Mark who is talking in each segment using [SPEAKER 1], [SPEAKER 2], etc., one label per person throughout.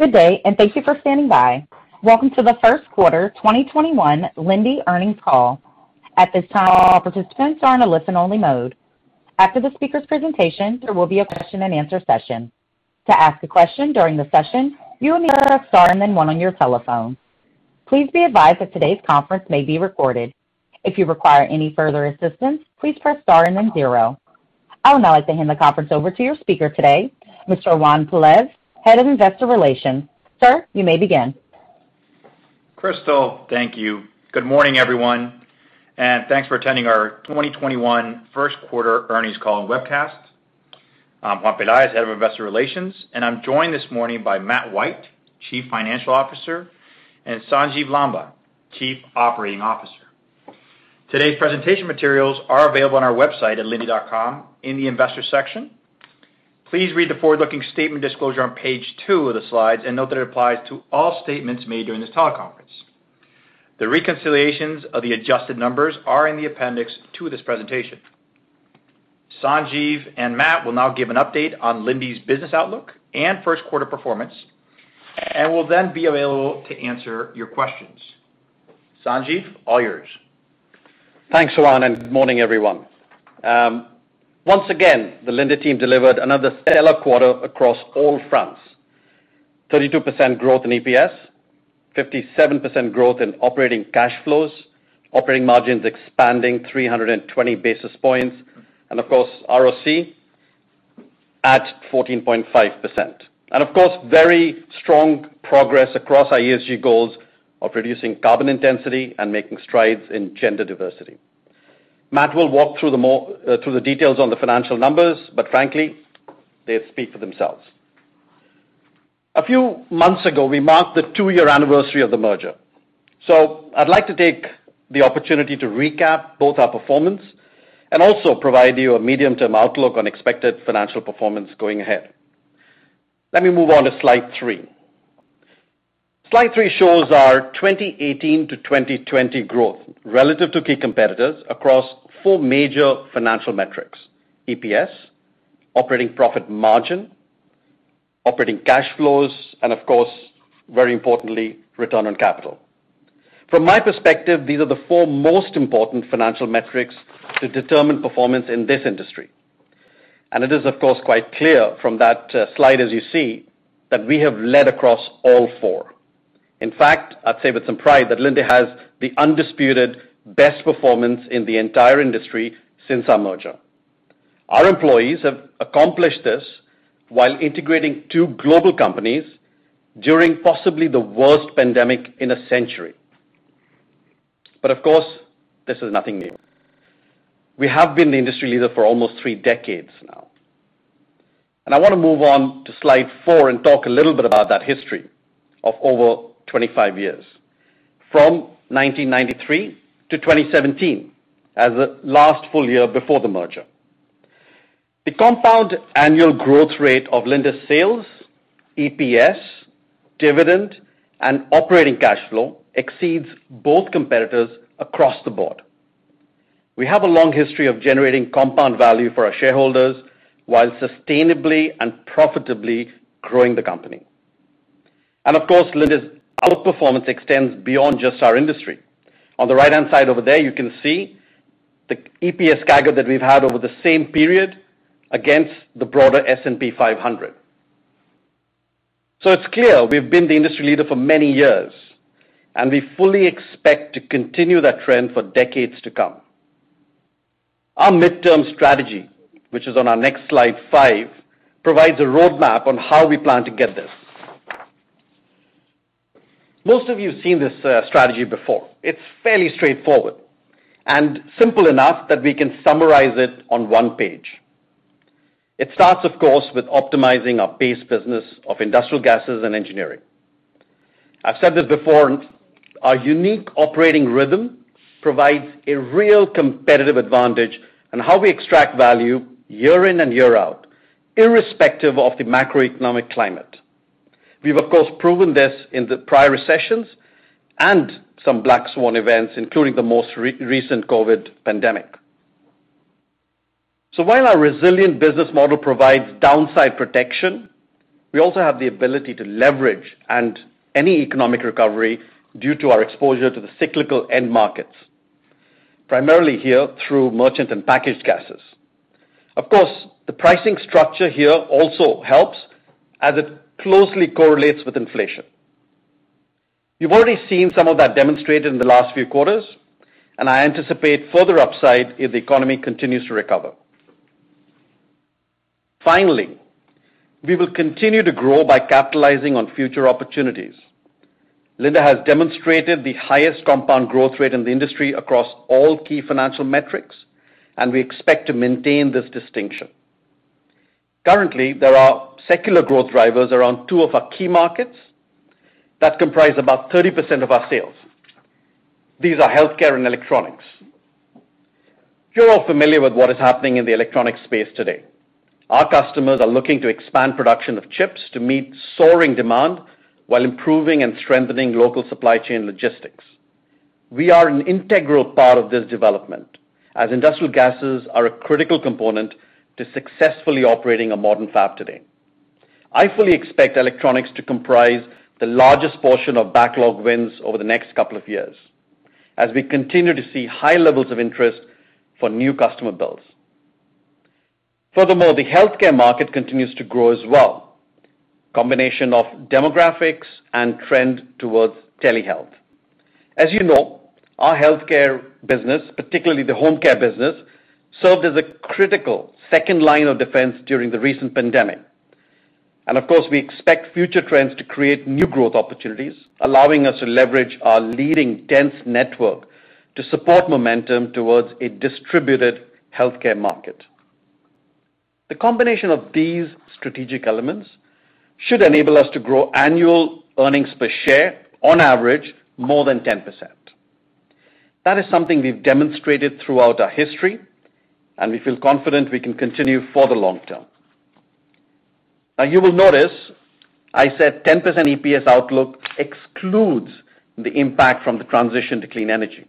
[SPEAKER 1] Good day, and thank you for standing by. Welcome to the first quarter 2021 Linde earnings call. At this time, all participants are in a listen-only mode. After the speaker's presentation, there will be a question and answer session. To ask a question during the session, you will need to press star and then one on your telephone. Please be advised that today's conference may be recorded. If you require any further assistance, please press star and then zero. I would now like to hand the conference over to your speaker today, Mr. Juan Pelaez, Head of Investor Relations. Sir, you may begin.
[SPEAKER 2] Crystal, thank you. Good morning, everyone, and thanks for attending our 2021 1st quarter earnings call and webcast. I'm Juan Pelaez, Head of Investor Relations, and I'm joined this morning by Matt White, Chief Financial Officer, and Sanjiv Lamba, Chief Operating Officer. Today's presentation materials are available on our website at linde.com in the investor section. Please read the forward-looking statement disclosure on page two of the slides, and note that it applies to all statements made during this teleconference. The reconciliations of the adjusted numbers are in the appendix to this presentation. Sanjiv and Matt will now give an update on Linde's business outlook and 1st quarter performance, and will then be available to answer your questions. Sanjiv, all yours.
[SPEAKER 3] Thanks, Juan. Good morning, everyone. Once again, the Linde team delivered another stellar quarter across all fronts. 32% growth in EPS, 57% growth in operating cash flows, operating margins expanding 320 basis points. Of course, ROC at 14.5%. Of course, very strong progress across our ESG goals of reducing carbon intensity and making strides in gender diversity. Matt will walk through the details on the financial numbers, but frankly, they speak for themselves. A few months ago, we marked the two-year anniversary of the merger. I'd like to take the opportunity to recap both our performance and also provide you a medium-term outlook on expected financial performance going ahead. Let me move on to slide three. Slide three shows our 2018 to 2020 growth relative to key competitors across four major financial metrics: EPS, operating profit margin, operating cash flows, and of course, very importantly, return on capital. From my perspective, these are the four most important financial metrics to determine performance in this industry. It is, of course, quite clear from that slide, as you see, that we have led across all four. In fact, I'd say with some pride that Linde has the undisputed best performance in the entire industry since our merger. Our employees have accomplished this while integrating two global companies during possibly the worst pandemic in a century. Of course, this is nothing new. We have been the industry leader for almost three decades now. I want to move on to slide four and talk a little bit about that history of over 25 years, from 1993 to 2017 as the last full year before the merger. The compound annual growth rate of Linde sales, EPS, dividend, and operating cash flow exceeds both competitors across the board. We have a long history of generating compound value for our shareholders while sustainably and profitably growing the company. Of course, Linde's outperformance extends beyond just our industry. On the right-hand side over there, you can see the EPS CAGR that we've had over the same period against the broader S&P 500. It's clear we've been the industry leader for many years, and we fully expect to continue that trend for decades to come. Our midterm strategy, which is on our next slide five, provides a roadmap on how we plan to get there. Most of you have seen this strategy before. It's fairly straightforward and simple enough that we can summarize it on one page. It starts, of course, with optimizing our base business of industrial gases and engineering. I've said this before, our unique operating rhythm provides a real competitive advantage on how we extract value year in and year out, irrespective of the macroeconomic climate. We've, of course, proven this in the prior recessions and some black swan events, including the most recent COVID pandemic. While our resilient business model provides downside protection, we also have the ability to leverage any economic recovery due to our exposure to the cyclical end markets, primarily here through merchant and packaged gases. Of course, the pricing structure here also helps as it closely correlates with inflation. You've already seen some of that demonstrated in the last few quarters. I anticipate further upside if the economy continues to recover. Finally, we will continue to grow by capitalizing on future opportunities. Linde has demonstrated the highest compound growth rate in the industry across all key financial metrics. We expect to maintain this distinction. Currently, there are secular growth drivers around two of our key markets that comprise about 30% of our sales. These are healthcare and electronics. You're all familiar with what is happening in the electronic space today. Our customers are looking to expand production of chips to meet soaring demand while improving and strengthening local supply chain logistics. We are an integral part of this development, as industrial gases are a critical component to successfully operating a modern fab today. I fully expect electronics to comprise the largest portion of backlog wins over the next couple of years as we continue to see high levels of interest for new customer builds. The healthcare market continues to grow as well, a combination of demographics and trend towards telehealth. As you know, our healthcare business, particularly the home care business, served as a critical second line of defense during the recent pandemic. Of course, we expect future trends to create new growth opportunities, allowing us to leverage our leading dense network to support momentum towards a distributed healthcare market. The combination of these strategic elements should enable us to grow annual earnings per share on average more than 10%. That is something we've demonstrated throughout our history, and we feel confident we can continue for the long term. You will notice I said 10% EPS outlook excludes the impact from the transition to clean energy.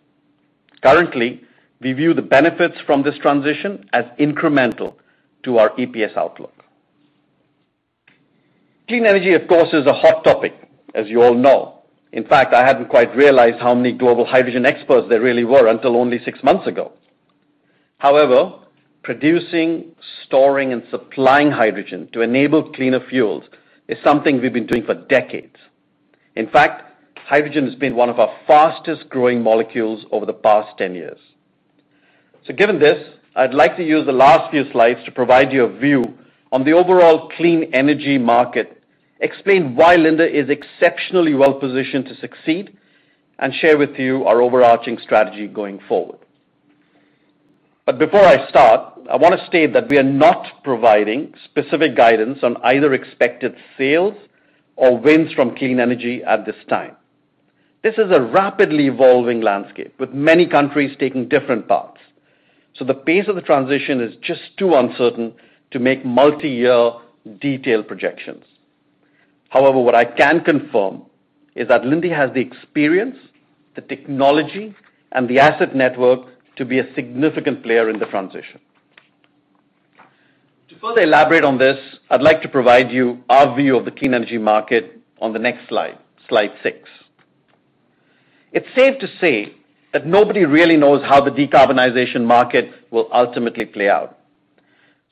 [SPEAKER 3] Currently, we view the benefits from this transition as incremental to our EPS outlook. Clean energy, of course, is a hot topic, as you all know. I hadn't quite realized how many global hydrogen experts there really were until only six months ago. Producing, storing, and supplying hydrogen to enable cleaner fuels is something we've been doing for decades. Hydrogen has been one of our fastest-growing molecules over the past 10 years. Given this, I'd like to use the last few slides to provide you a view on the overall clean energy market, explain why Linde is exceptionally well-positioned to succeed, and share with you our overarching strategy going forward. Before I start, I want to state that we are not providing specific guidance on either expected sales or wins from clean energy at this time. This is a rapidly evolving landscape with many countries taking different paths, so the pace of the transition is just too uncertain to make multi-year detailed projections. However, what I can confirm is that Linde has the experience, the technology, and the asset network to be a significant player in the transition. To further elaborate on this, I'd like to provide you our view of the clean energy market on the next slide six. It's safe to say that nobody really knows how the decarbonization market will ultimately play out.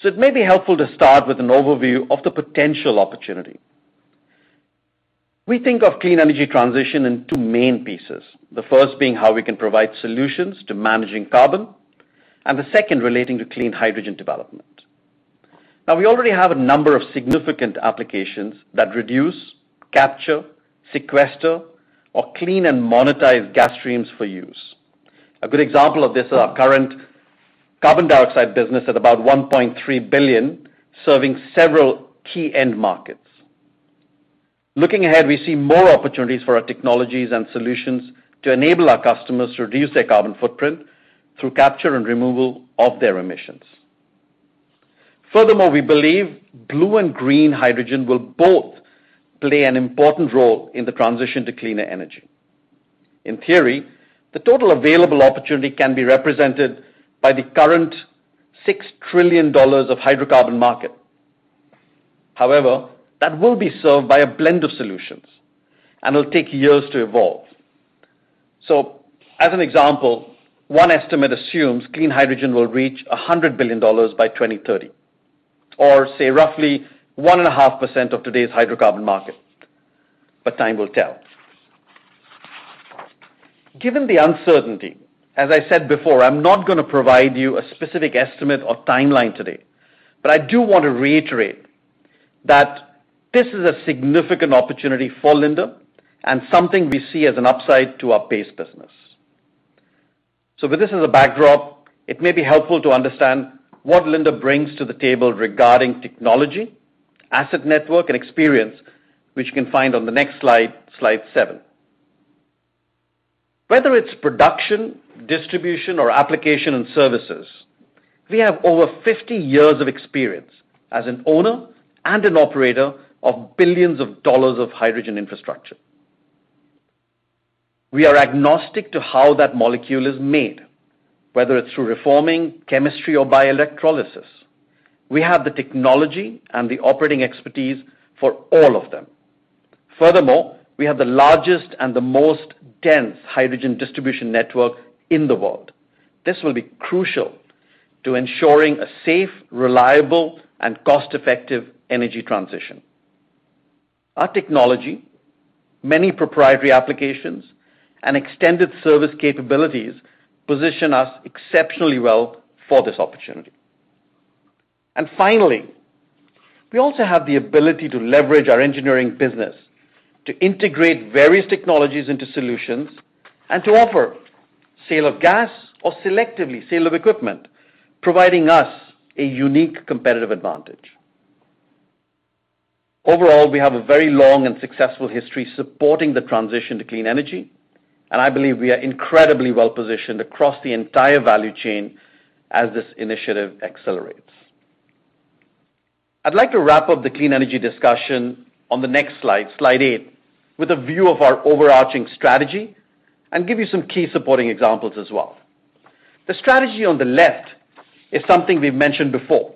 [SPEAKER 3] It may be helpful to start with an overview of the potential opportunity. We think of clean energy transition in two main pieces, the first being how we can provide solutions to managing carbon, and the second relating to clean hydrogen development. We already have a number of significant applications that reduce, capture, sequester, or clean and monetize gas streams for use. A good example of this is our current carbon dioxide business at about $1.3 billion, serving several key end markets. Looking ahead, we see more opportunities for our technologies and solutions to enable our customers to reduce their carbon footprint through capture and removal of their emissions. We believe blue and green hydrogen will both play an important role in the transition to cleaner energy. In theory, the total available opportunity can be represented by the current $6 trillion of hydrocarbon market. That will be served by a blend of solutions and will take years to evolve. As an example, one estimate assumes clean hydrogen will reach $100 billion by 2030, or say roughly one and a half % of today's hydrocarbon market. Time will tell. Given the uncertainty, as I said before, I'm not going to provide you a specific estimate or timeline today. I do want to reiterate that this is a significant opportunity for Linde and something we see as an upside to our base business. With this as a backdrop, it may be helpful to understand what Linde brings to the table regarding technology, asset network and experience, which you can find on the next slide seven. Whether it's production, distribution, or application and services, we have over 50 years of experience as an owner and an operator of billions of dollars of hydrogen infrastructure. We are agnostic to how that molecule is made, whether it's through reforming, chemistry, or by electrolysis. We have the technology and the operating expertise for all of them. We have the largest and the most dense hydrogen distribution network in the world. This will be crucial to ensuring a safe, reliable, and cost-effective energy transition. Our technology, many proprietary applications, and extended service capabilities position us exceptionally well for this opportunity. Finally, we also have the ability to leverage our engineering business to integrate various technologies into solutions and to offer sale of gas or selectively sale of equipment, providing us a unique competitive advantage. Overall, we have a very long and successful history supporting the transition to clean energy, and I believe we are incredibly well-positioned across the entire value chain as this initiative accelerates. I'd like to wrap up the clean energy discussion on the next slide eight, with a view of our overarching strategy and give you some key supporting examples as well. The strategy on the left is something we've mentioned before.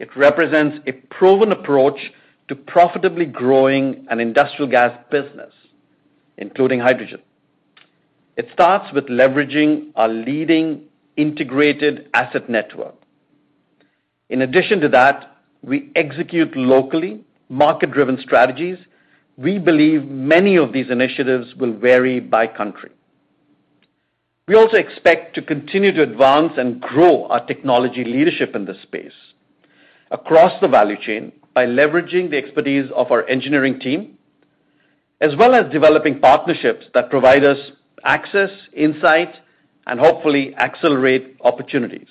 [SPEAKER 3] It represents a proven approach to profitably growing an industrial gas business, including hydrogen. It starts with leveraging our leading integrated asset network. In addition to that, we execute locally market-driven strategies. We believe many of these initiatives will vary by country. We also expect to continue to advance and grow our technology leadership in this space across the value chain by leveraging the expertise of our engineering team, as well as developing partnerships that provide us access, insight, and hopefully accelerate opportunities.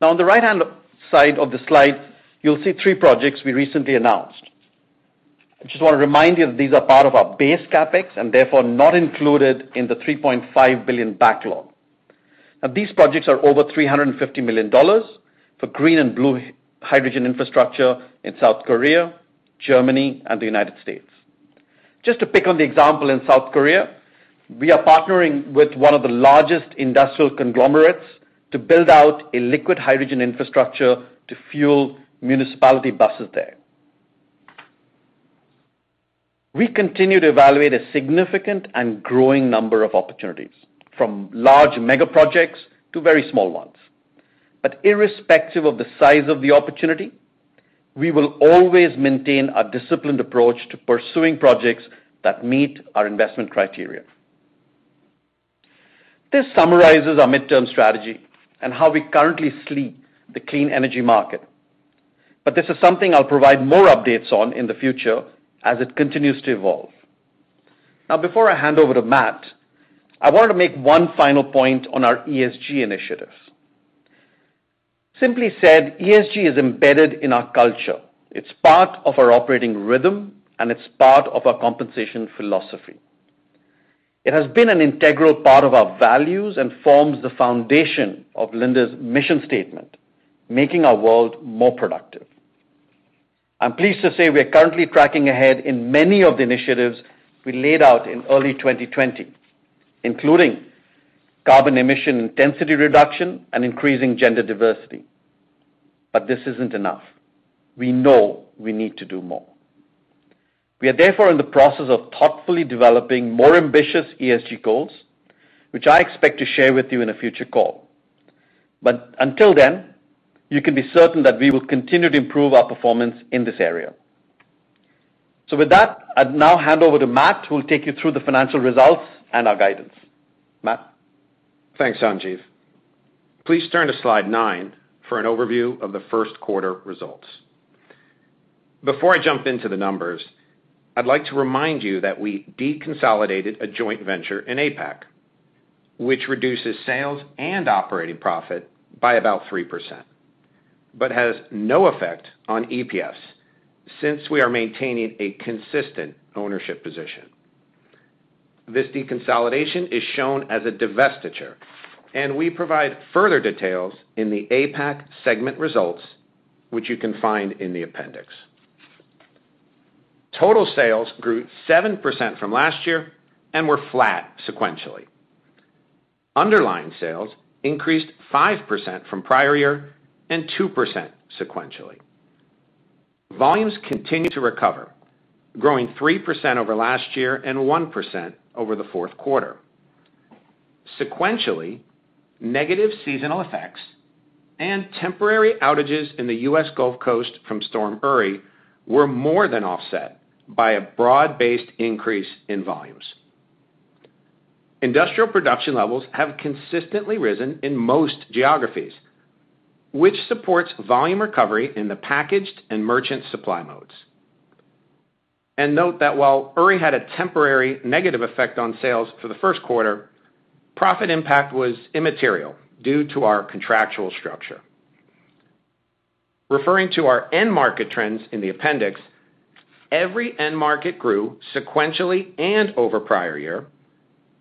[SPEAKER 3] Now, on the right-hand side of the slide, you'll see three projects we recently announced. I just want to remind you that these are part of our base CapEx, and therefore not included in the $3.5 billion backlog. Now, these projects are over $350 million for green and blue hydrogen infrastructure in South Korea, Germany, and the United States. Just to pick on the example in South Korea, we are partnering with one of the largest industrial conglomerates to build out a liquid hydrogen infrastructure to fuel municipality buses there. We continue to evaluate a significant and growing number of opportunities, from large mega projects to very small ones. Irrespective of the size of the opportunity, we will always maintain a disciplined approach to pursuing projects that meet our investment criteria. This summarizes our midterm strategy and how we currently see the clean energy market. This is something I'll provide more updates on in the future as it continues to evolve. Now, before I hand over to Matt, I wanted to make one final point on our ESG initiatives. Simply said, ESG is embedded in our culture. It's part of our operating rhythm, and it's part of our compensation philosophy. It has been an integral part of our values and forms the foundation of Linde's mission statement, making our world more productive. I'm pleased to say we are currently tracking ahead in many of the initiatives we laid out in early 2020, including carbon emission intensity reduction and increasing gender diversity. This isn't enough. We know we need to do more. We are therefore in the process of thoughtfully developing more ambitious ESG goals, which I expect to share with you in a future call. Until then, you can be certain that we will continue to improve our performance in this area. With that, I'll now hand over to Matt, who will take you through the financial results and our guidance. Matt?
[SPEAKER 4] Thanks, Sanjiv. Please turn to slide nine for an overview of the first quarter results. Before I jump into the numbers, I'd like to remind you that we deconsolidated a joint venture in APAC, which reduces sales and operating profit by about 3%, but has no effect on EPS since we are maintaining a consistent ownership position. This deconsolidation is shown as a divestiture, and we provide further details in the APAC segment results, which you can find in the appendix. Total sales grew 7% from last year and were flat sequentially. Underlying sales increased 5% from prior year and 2% sequentially. Volumes continue to recover, growing 3% over last year and 1% over the fourth quarter. Sequentially, negative seasonal effects and temporary outages in the U.S. Gulf Coast from Storm Uri were more than offset by a broad-based increase in volumes. Industrial production levels have consistently risen in most geographies, which supports volume recovery in the packaged and merchant supply modes. Note that while Uri had a temporary negative effect on sales for the first quarter, profit impact was immaterial due to our contractual structure. Referring to our end market trends in the appendix, every end market grew sequentially and over prior year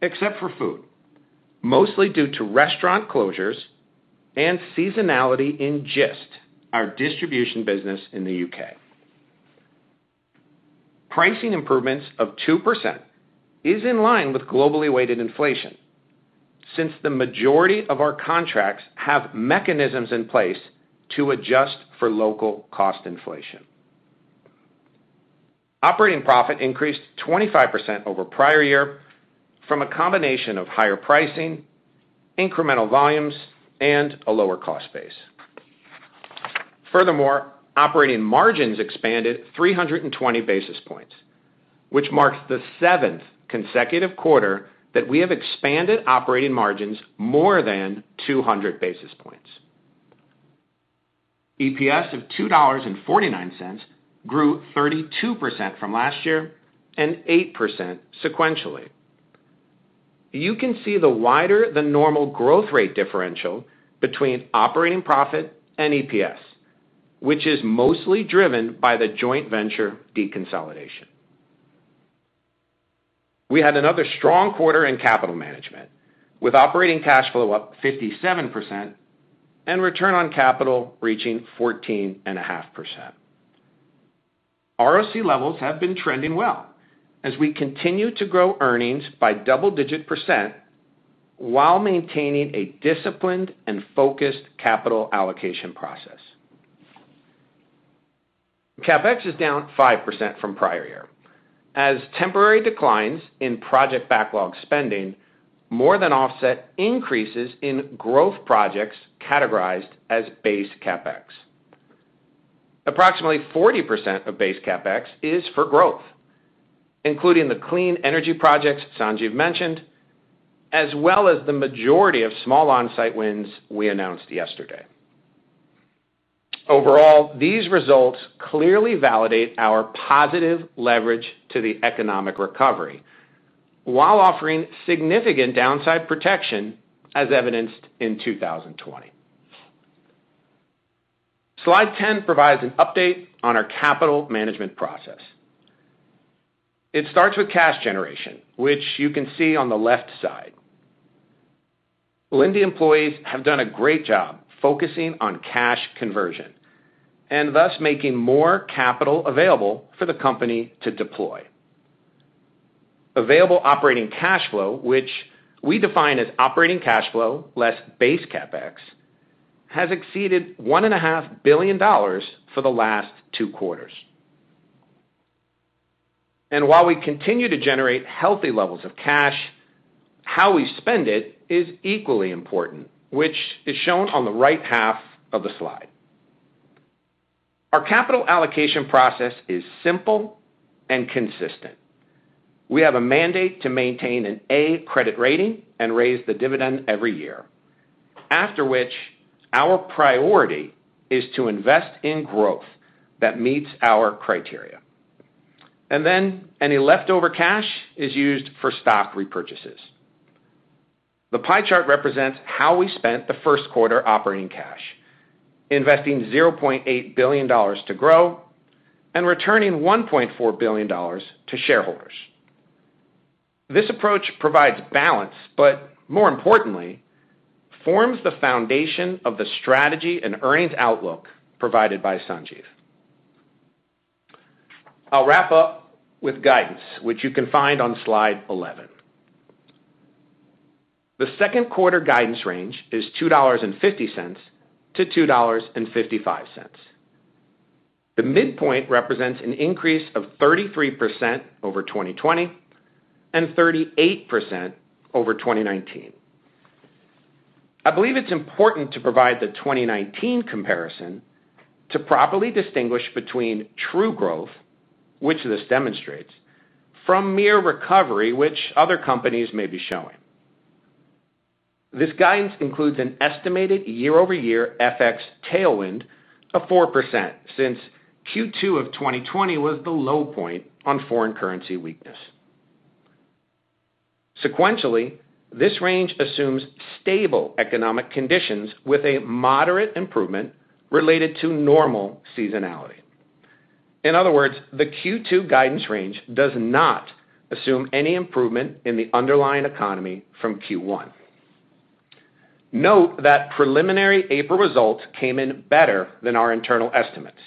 [SPEAKER 4] except for food, mostly due to restaurant closures and seasonality in Gist, our distribution business in the U.K. Pricing improvements of 2% is in line with globally weighted inflation, since the majority of our contracts have mechanisms in place to adjust for local cost inflation. Operating profit increased 25% over prior year from a combination of higher pricing, incremental volumes, and a lower cost base. Operating margins expanded 320 basis points, which marks the seventh consecutive quarter that we have expanded operating margins more than 200 basis points. EPS of $2.49 grew 32% from last year and 8% sequentially. You can see the wider than normal growth rate differential between operating profit and EPS, which is mostly driven by the joint venture deconsolidation. We had another strong quarter in capital management, with operating cash flow up 57% and return on capital reaching 14.5%. ROC levels have been trending well as we continue to grow earnings by double-digit percent while maintaining a disciplined and focused capital allocation process. CapEx is down 5% from prior year, as temporary declines in project backlog spending more than offset increases in growth projects categorized as base CapEx. Approximately 40% of base CapEx is for growth, including the clean energy projects Sanjiv mentioned, as well as the majority of small on-site wins we announced yesterday. Overall, these results clearly validate our positive leverage to the economic recovery while offering significant downside protection, as evidenced in 2020. Slide 10 provides an update on our capital management process. It starts with cash generation, which you can see on the left side. Linde employees have done a great job focusing on cash conversion and thus making more capital available for the company to deploy. Available operating cash flow, which we define as operating cash flow less base CapEx, has exceeded $1.5 billion for the last two quarters. While we continue to generate healthy levels of cash, how we spend it is equally important, which is shown on the right half of the slide. Our capital allocation process is simple and consistent. We have a mandate to maintain an A credit rating and raise the dividend every year, after which our priority is to invest in growth that meets our criteria. Any leftover cash is used for stock repurchases. The pie chart represents how we spent the first quarter operating cash, investing $0.8 billion to grow and returning $1.4 billion to shareholders. This approach provides balance, but more importantly, forms the foundation of the strategy and earnings outlook provided by Sanjiv. I'll wrap up with guidance, which you can find on slide 11. The second quarter guidance range is $2.50-$2.55. The midpoint represents an increase of 33% over 2020 and 38% over 2019. I believe it's important to provide the 2019 comparison to properly distinguish between true growth, which this demonstrates, from mere recovery, which other companies may be showing. This guidance includes an estimated year-over-year FX tailwind of 4%, since Q2 of 2020 was the low point on foreign currency weakness. Sequentially, this range assumes stable economic conditions with a moderate improvement related to normal seasonality. In other words, the Q2 guidance range does not assume any improvement in the underlying economy from Q1. Note that preliminary April results came in better than our internal estimates.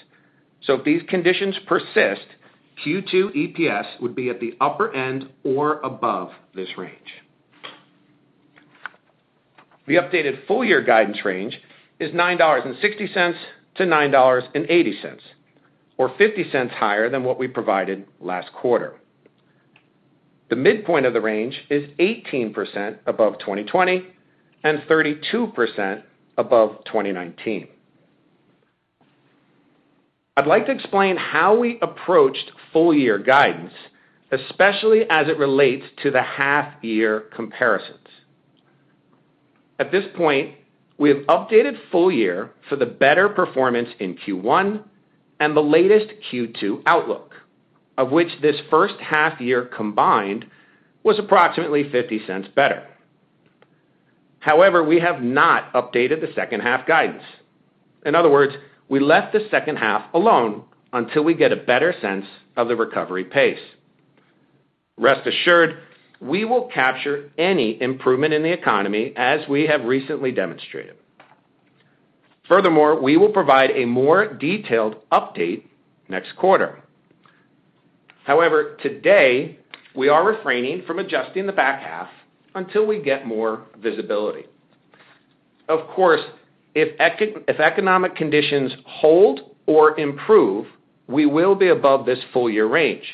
[SPEAKER 4] If these conditions persist, Q2 EPS would be at the upper end or above this range. The updated full-year guidance range is $9.60 to $9.80, or $0.50 higher than what we provided last quarter. The midpoint of the range is 18% above 2020 and 32% above 2019. I'd like to explain how we approached full year guidance, especially as it relates to the half year comparisons. At this point, we have updated full year for the better performance in Q1 and the latest Q2 outlook, of which this first half year combined was approximately $0.50 better. However, we have not updated the second half guidance. In other words, we left the second half alone until we get a better sense of the recovery pace. Rest assured, we will capture any improvement in the economy, as we have recently demonstrated. Furthermore, we will provide a more detailed update next quarter. However, today, we are refraining from adjusting the back half until we get more visibility. Of course, if economic conditions hold or improve, we will be above this full year range.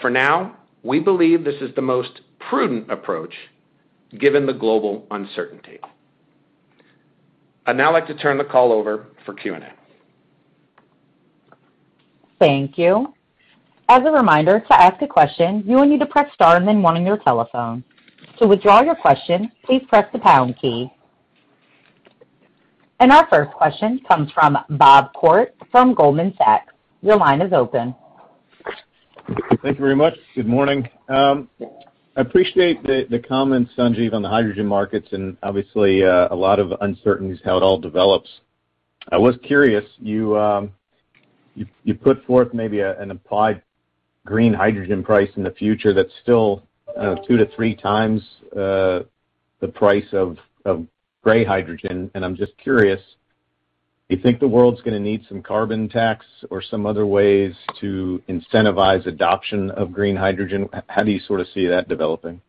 [SPEAKER 4] For now, we believe this is the most prudent approach given the global uncertainty. I'd now like to turn the call over for Q&A.
[SPEAKER 1] Thank you. As a reminder, to ask a question, you will need to press star and then one on your telephone. To withdraw your question, please press the pound key. Our first question comes from Bob Koort from Goldman Sachs. Your line is open.
[SPEAKER 5] Thank you very much. Good morning. I appreciate the comments, Sanjiv, on the hydrogen markets and obviously, a lot of uncertainties how it all develops. I was curious. You put forth maybe an applied green hydrogen price in the future that's still two to three times the price of gray hydrogen, and I'm just curious, do you think the world's going to need some carbon tax or some other ways to incentivize adoption of green hydrogen? How do you sort of see that developing?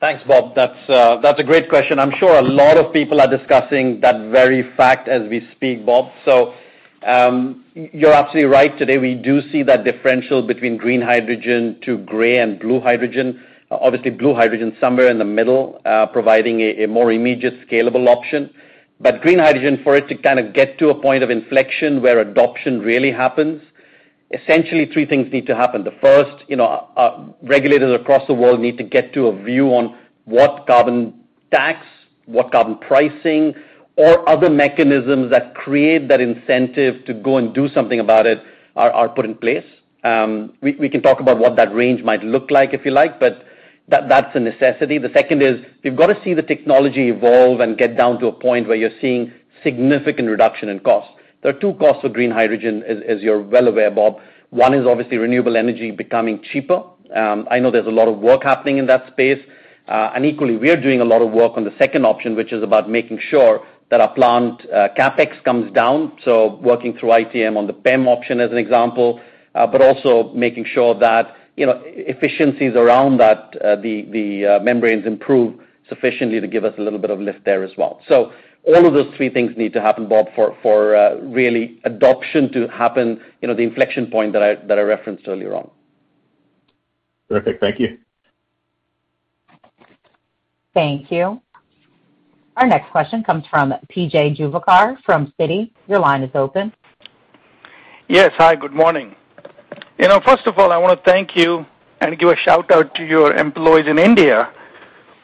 [SPEAKER 3] Thanks, Bob Koort. That's a great question. I'm sure a lot of people are discussing that very fact as we speak, Bob Koort. You're absolutely right. Today, we do see that differential between green hydrogen to gray and blue hydrogen. Obviously, blue hydrogen's somewhere in the middle, providing a more immediate scalable option. Green hydrogen, for it to kind of get to a point of inflection where adoption really happens, essentially three things need to happen. The first, regulators across the world need to get to a view on what carbon tax, what carbon pricing, or other mechanisms that create that incentive to go and do something about it are put in place. We can talk about what that range might look like, if you like, but that's a necessity. The second is you've got to see the technology evolve and get down to a point where you're seeing significant reduction in cost. There are two costs of green hydrogen, as you're well aware, Bob Koort. One is obviously renewable energy becoming cheaper. I know there's a lot of work happening in that space. Equally, we are doing a lot of work on the second option, which is about making sure that our plant CapEx comes down, so working through ITM on the PEM option as an example. Also making sure that efficiencies around the membranes improve sufficiently to give us a little bit of lift there as well. All of those three things need to happen, Bob Koort, for really adoption to happen, the inflection point that I referenced earlier on.
[SPEAKER 5] Perfect. Thank you.
[SPEAKER 1] Thank you. Our next question comes from P.J. Juvekar from Citi. Your line is open.
[SPEAKER 6] Yes. Hi, good morning. First of all, I want to thank you and give a shout-out to your employees in India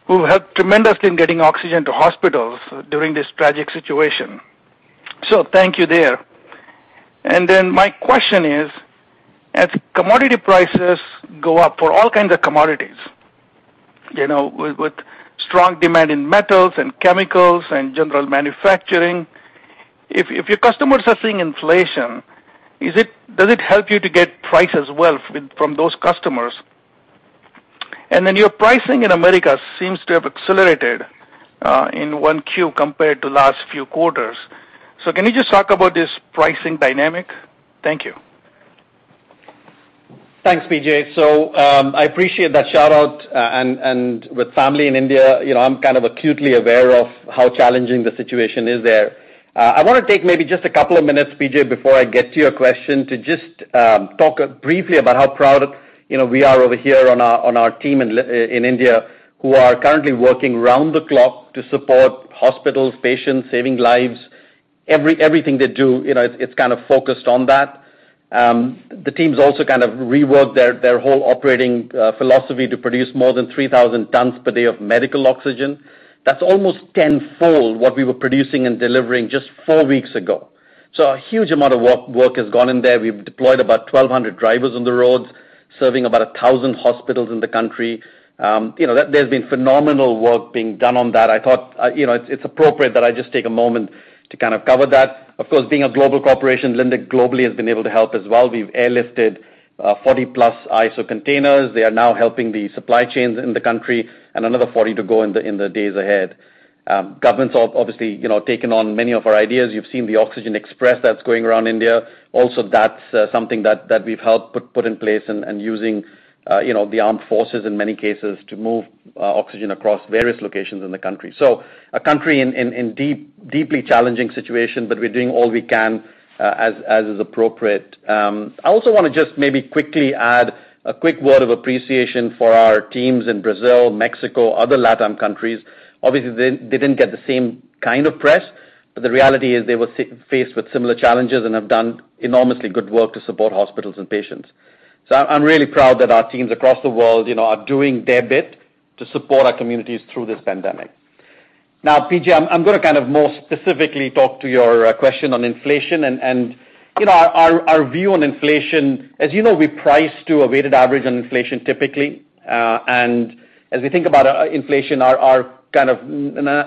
[SPEAKER 6] who helped tremendously in getting oxygen to hospitals during this tragic situation. Thank you there. My question is, as commodity prices go up for all kinds of commodities, with strong demand in metals and chemicals and general manufacturing, if your customers are seeing inflation, does it help you to get price as well from those customers? Your pricing in America seems to have accelerated in Q1 compared to last few quarters. Can you just talk about this pricing dynamic? Thank you.
[SPEAKER 3] Thanks, P.J. I appreciate that shout-out, and with family in India, I'm kind of acutely aware of how challenging the situation is there. I want to take maybe just a couple of minutes, P.J., before I get to your question to just talk briefly about how proud we are over here on our team in India who are currently working round the clock to support hospitals, patients, saving lives. Everything they do, it's kind of focused on that. The teams also kind of reworked their whole operating philosophy to produce more than 3,000 tons per day of medical oxygen. That's almost tenfold what we were producing and delivering just four weeks ago. A huge amount of work has gone in there. We've deployed about 1,200 drivers on the roads, serving about 1,000 hospitals in the country. There's been phenomenal work being done on that. I thought it's appropriate that I just take a moment to kind of cover that. Of course, being a global corporation, Linde globally has been able to help as well. We've airlifted 40+ ISO containers. They are now helping the supply chains in the country, and another 40 to go in the days ahead. Governments obviously taken on many of our ideas. You've seen the Oxygen Express that's going around India. Also, that's something that we've helped put in place, and using the armed forces in many cases to move oxygen across various locations in the country. A country in deeply challenging situation, but we're doing all we can as is appropriate. I also want to just maybe quickly add a quick word of appreciation for our teams in Brazil, Mexico, other LATAM countries. Obviously, they didn't get the same kind of press, but the reality is they were faced with similar challenges and have done enormously good work to support hospitals and patients. I'm really proud that our teams across the world are doing their bit to support our communities through this pandemic. P.J., I'm going to kind of more specifically talk to your question on inflation. Our view on inflation, as you know, we price to a weighted average on inflation typically. As we think about inflation, our kind of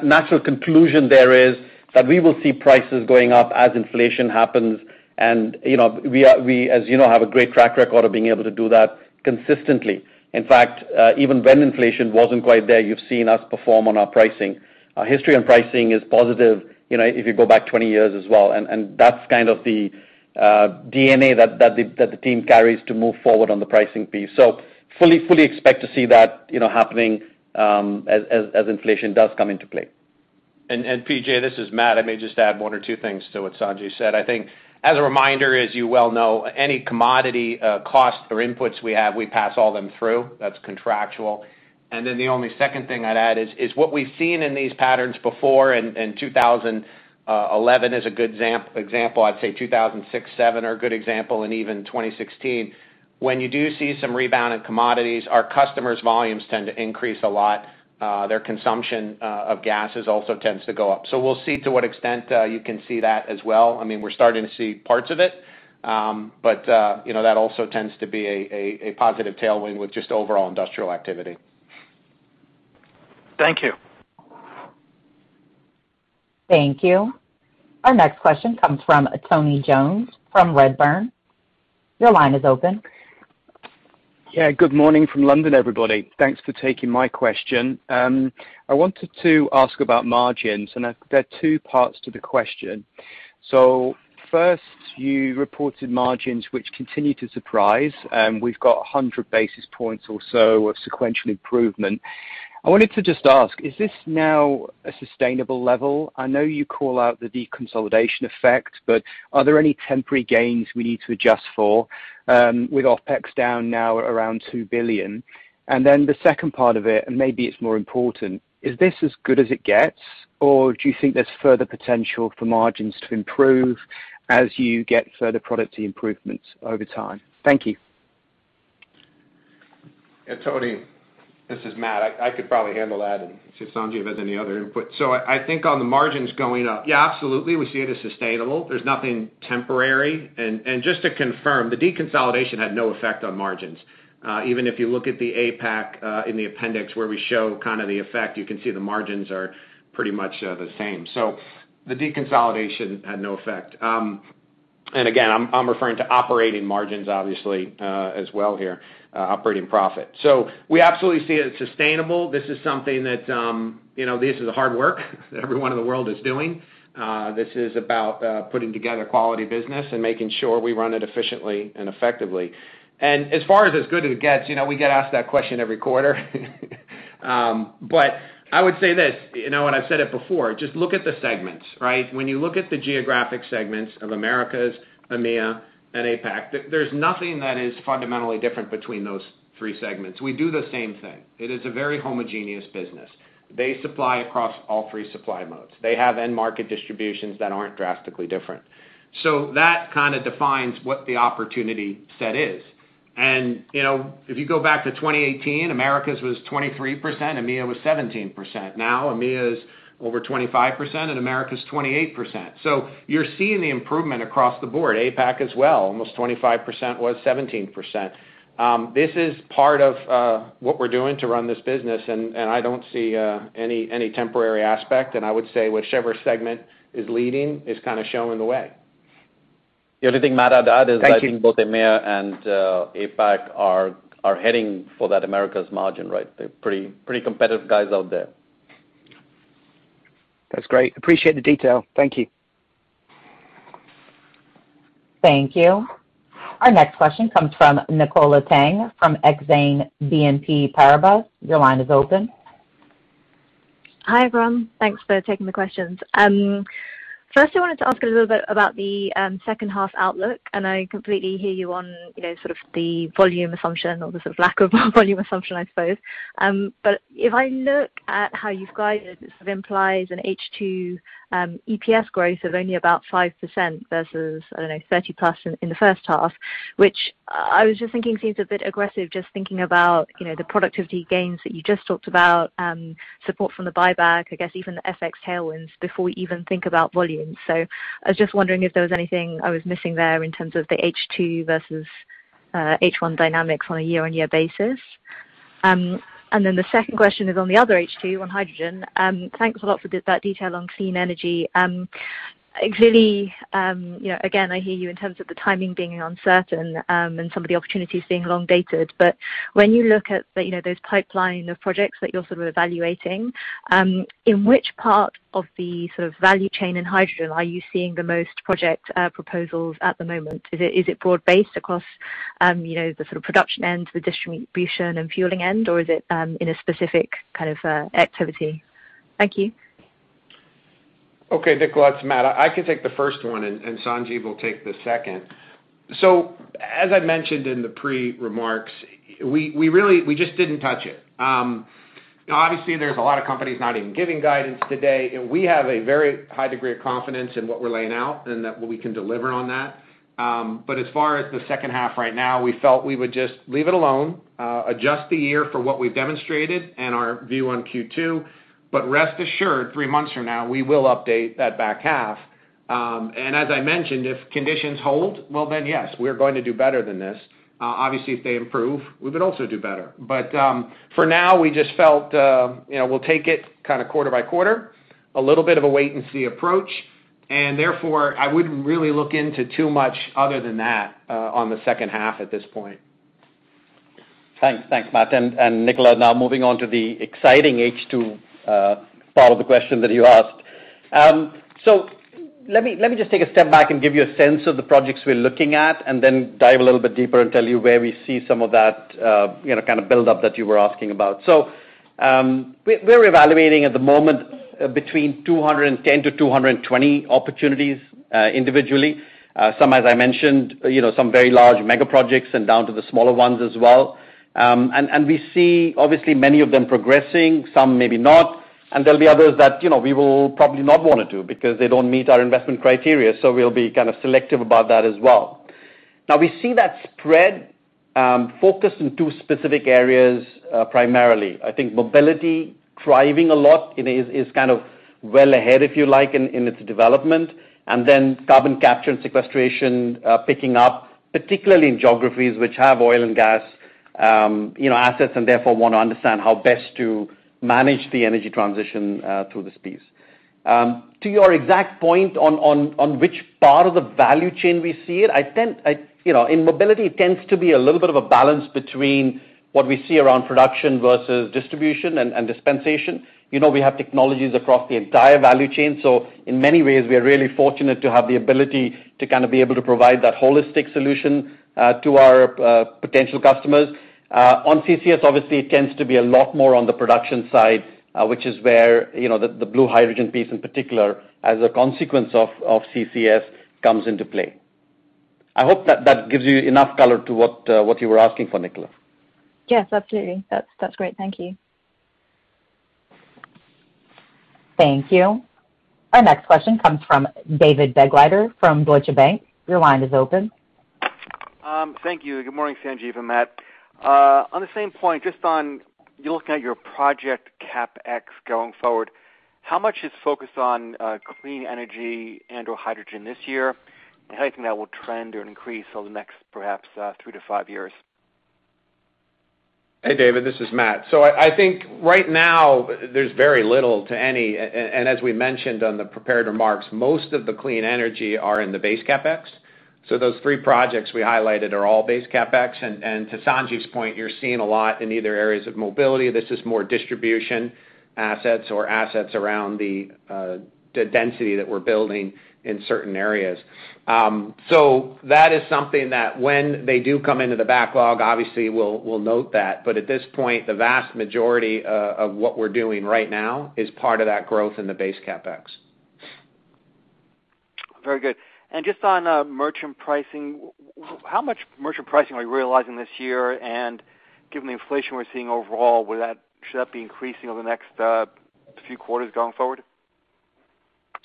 [SPEAKER 3] natural conclusion there is that we will see prices going up as inflation happens, and we, as you know, have a great track record of being able to do that consistently. In fact, even when inflation wasn't quite there, you've seen us perform on our pricing. Our history on pricing is positive if you go back 20 years as well. That's kind of the DNA that the team carries to move forward on the pricing piece. Fully expect to see that happening as inflation does come into play.
[SPEAKER 4] P.J., this is Matt White. I may just add one or two things to what Sanjiv Lamba said. I think as a reminder, as you well know, any commodity costs or inputs we have, we pass all them through. That's contractual. The only second thing I'd add is what we've seen in these patterns before, 2011 is a good example. I'd say 2006, 2007 are a good example, and even 2016. When you do see some rebound in commodities, our customers' volumes tend to increase a lot. Their consumption of gases also tends to go up. We'll see to what extent you can see that as well. I mean, we're starting to see parts of it. That also tends to be a positive tailwind with just overall industrial activity.
[SPEAKER 6] Thank you.
[SPEAKER 1] Thank you. Our next question comes from Tony Jones from Redburn. Your line is open.
[SPEAKER 7] Yeah. Good morning from London, everybody. Thanks for taking my question. I wanted to ask about margins. There are two parts to the question. First, you reported margins, which continue to surprise. We've got 100 basis points or so of sequential improvement. I wanted to just ask, is this now a sustainable level? I know you call out the deconsolidation effect. Are there any temporary gains we need to adjust for, with OpEx down now around $2 billion? The second part of it, and maybe it's more important, is this as good as it gets, or do you think there's further potential for margins to improve as you get further productivity improvements over time? Thank you.
[SPEAKER 4] Yeah, Tony, this is Matt. I could probably handle that and see if Sanjiv has any other input. I think on the margins going up, yeah, absolutely, we see it as sustainable. There's nothing temporary. Just to confirm, the deconsolidation had no effect on margins. Even if you look at the APAC in the appendix where we show kind of the effect, you can see the margins are pretty much the same. The deconsolidation had no effect. Again, I'm referring to operating margins, obviously, as well here, operating profit. We absolutely see it sustainable. This is something that this is hard work that everyone in the world is doing. This is about putting together quality business and making sure we run it efficiently and effectively. As far as it's good as it gets, we get asked that question every quarter. I would say this, and I've said it before, just look at the segments, right? When you look at the geographic segments of Americas, EMEA, and APAC, there's nothing that is fundamentally different between those three segments. We do the same thing. It is a very homogeneous business. They supply across all three supply modes. They have end-market distributions that aren't drastically different. That kind of defines what the opportunity set is. If you go back to 2018, Americas was 23%, EMEA was 17%. Now, EMEA is over 25%, and Americas 28%. You're seeing the improvement across the board. APAC as well, almost 25%, was 17%. This is part of what we're doing to run this business, and I don't see any temporary aspect, and I would say whichever segment is leading is kind of showing the way.
[SPEAKER 3] The only thing Matt I'd add is.
[SPEAKER 7] Thank you.
[SPEAKER 3] I think both EMEA and APAC are heading for that Americas margin, right? They're pretty competitive guys out there.
[SPEAKER 7] That's great. Appreciate the detail. Thank you.
[SPEAKER 1] Thank you. Our next question comes from Nicola Tang from Exane BNP Paribas. Your line is open.
[SPEAKER 8] Hi, everyone. Thanks for taking the questions. First, I wanted to ask a little bit about the second half outlook. I completely hear you on sort of the volume assumption or the sort of lack of volume assumption, I suppose. If I look at how you've guided, it sort of implies an H2 EPS growth of only about 5% versus, I don't know, 30% plus in the first half, which I was just thinking seems a bit aggressive just thinking about the productivity gains that you just talked about, support from the buyback, I guess even the FX tailwinds before we even think about volume. I was just wondering if there was anything I was missing there in terms of the H2 versus H1 dynamics on a year-on-year basis. The second question is on the other H2, on hydrogen. Thanks a lot for that detail on clean energy. Clearly again, I hear you in terms of the timing being uncertain, and some of the opportunities being long dated. When you look at those pipeline of projects that you're sort of evaluating, in which part of the sort of value chain in hydrogen are you seeing the most project proposals at the moment? Is it broad-based across the sort of production end, the distribution and fueling end, or is it in a specific kind of activity? Thank you.
[SPEAKER 4] Okay, Nicola, it's Matt. I can take the first one, and Sanjiv will take the second. As I mentioned in the pre-remarks, we just didn't touch it. Obviously, there's a lot of companies not even giving guidance today. We have a very high degree of confidence in what we're laying out and that we can deliver on that. As far as the second half right now, we felt we would just leave it alone, adjust the year for what we've demonstrated and our view on Q2. Rest assured, three months from now, we will update that back half. As I mentioned, if conditions hold, well, then yes, we're going to do better than this. Obviously, if they improve, we would also do better. For now, we just felt we'll take it kind of quarter by quarter, a little bit of a wait and see approach. Therefore, I wouldn't really look into too much other than that on the second half at this point.
[SPEAKER 3] Thanks. Thanks, Matt and Nicola. Moving on to the exciting H2 part of the question that you asked. Let me just take a step back and give you a sense of the projects we're looking at, and then dive a little bit deeper and tell you where we see some of that kind of build up that you were asking about. We're evaluating at the moment between 210-220 opportunities individually. Some, as I mentioned, some very large mega projects and down to the smaller ones as well. We see obviously many of them progressing, some maybe not, and there'll be others that we will probably not want to do because they don't meet our investment criteria. We'll be kind of selective about that as well. We see that spread focused in two specific areas primarily. I think mobility thriving a lot is kind of well ahead, if you like, in its development, and then carbon capture and sequestration picking up. Particularly in geographies which have oil and gas assets, and therefore want to understand how best to manage the energy transition through this piece. To your exact point on which part of the value chain we see it, in mobility, it tends to be a little bit of a balance between what we see around production versus distribution and dispensation. We have technologies across the entire value chain. In many ways, we are really fortunate to have the ability to be able to provide that holistic solution to our potential customers. On CCS, obviously, it tends to be a lot more on the production side, which is where the blue hydrogen piece in particular, as a consequence of CCS, comes into play. I hope that gives you enough color to what you were asking for, Nicola.
[SPEAKER 8] Yes, absolutely. That's great. Thank you.
[SPEAKER 1] Thank you. Our next question comes from David Begleiter from Deutsche Bank. Your line is open.
[SPEAKER 9] Thank you. Good morning, Sanjiv and Matt. On the same point, just on looking at your project CapEx going forward, how much is focused on clean energy and/or hydrogen this year, and how do you think that will trend or increase over the next perhaps two to five years?
[SPEAKER 4] Hey, David, this is Matt. I think right now there's very little to any, and as we mentioned on the prepared remarks, most of the clean energy are in the base CapEx. Those three projects we highlighted are all base CapEx. To Sanjiv's point, you're seeing a lot in either areas of mobility. This is more distribution assets or assets around the density that we're building in certain areas. That is something that when they do come into the backlog, obviously we'll note that, but at this point, the vast majority of what we're doing right now is part of that growth in the base CapEx.
[SPEAKER 9] Very good. Just on merchant pricing, how much merchant pricing are we realizing this year? Given the inflation we're seeing overall, should that be increasing over the next few quarters going forward?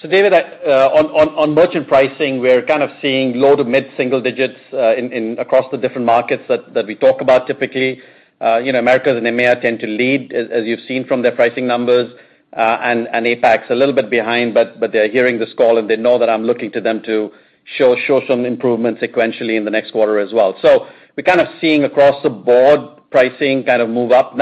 [SPEAKER 3] David, on merchant pricing, we're kind of seeing low to mid-single digits across the different markets that we talk about typically. Americas and EMEA tend to lead, as you've seen from their pricing numbers, and APAC is a little bit behind, but they're hearing this call, and they know that I'm looking to them to show some improvement sequentially in the next quarter as well. We're kind of seeing across the board pricing kind of move up.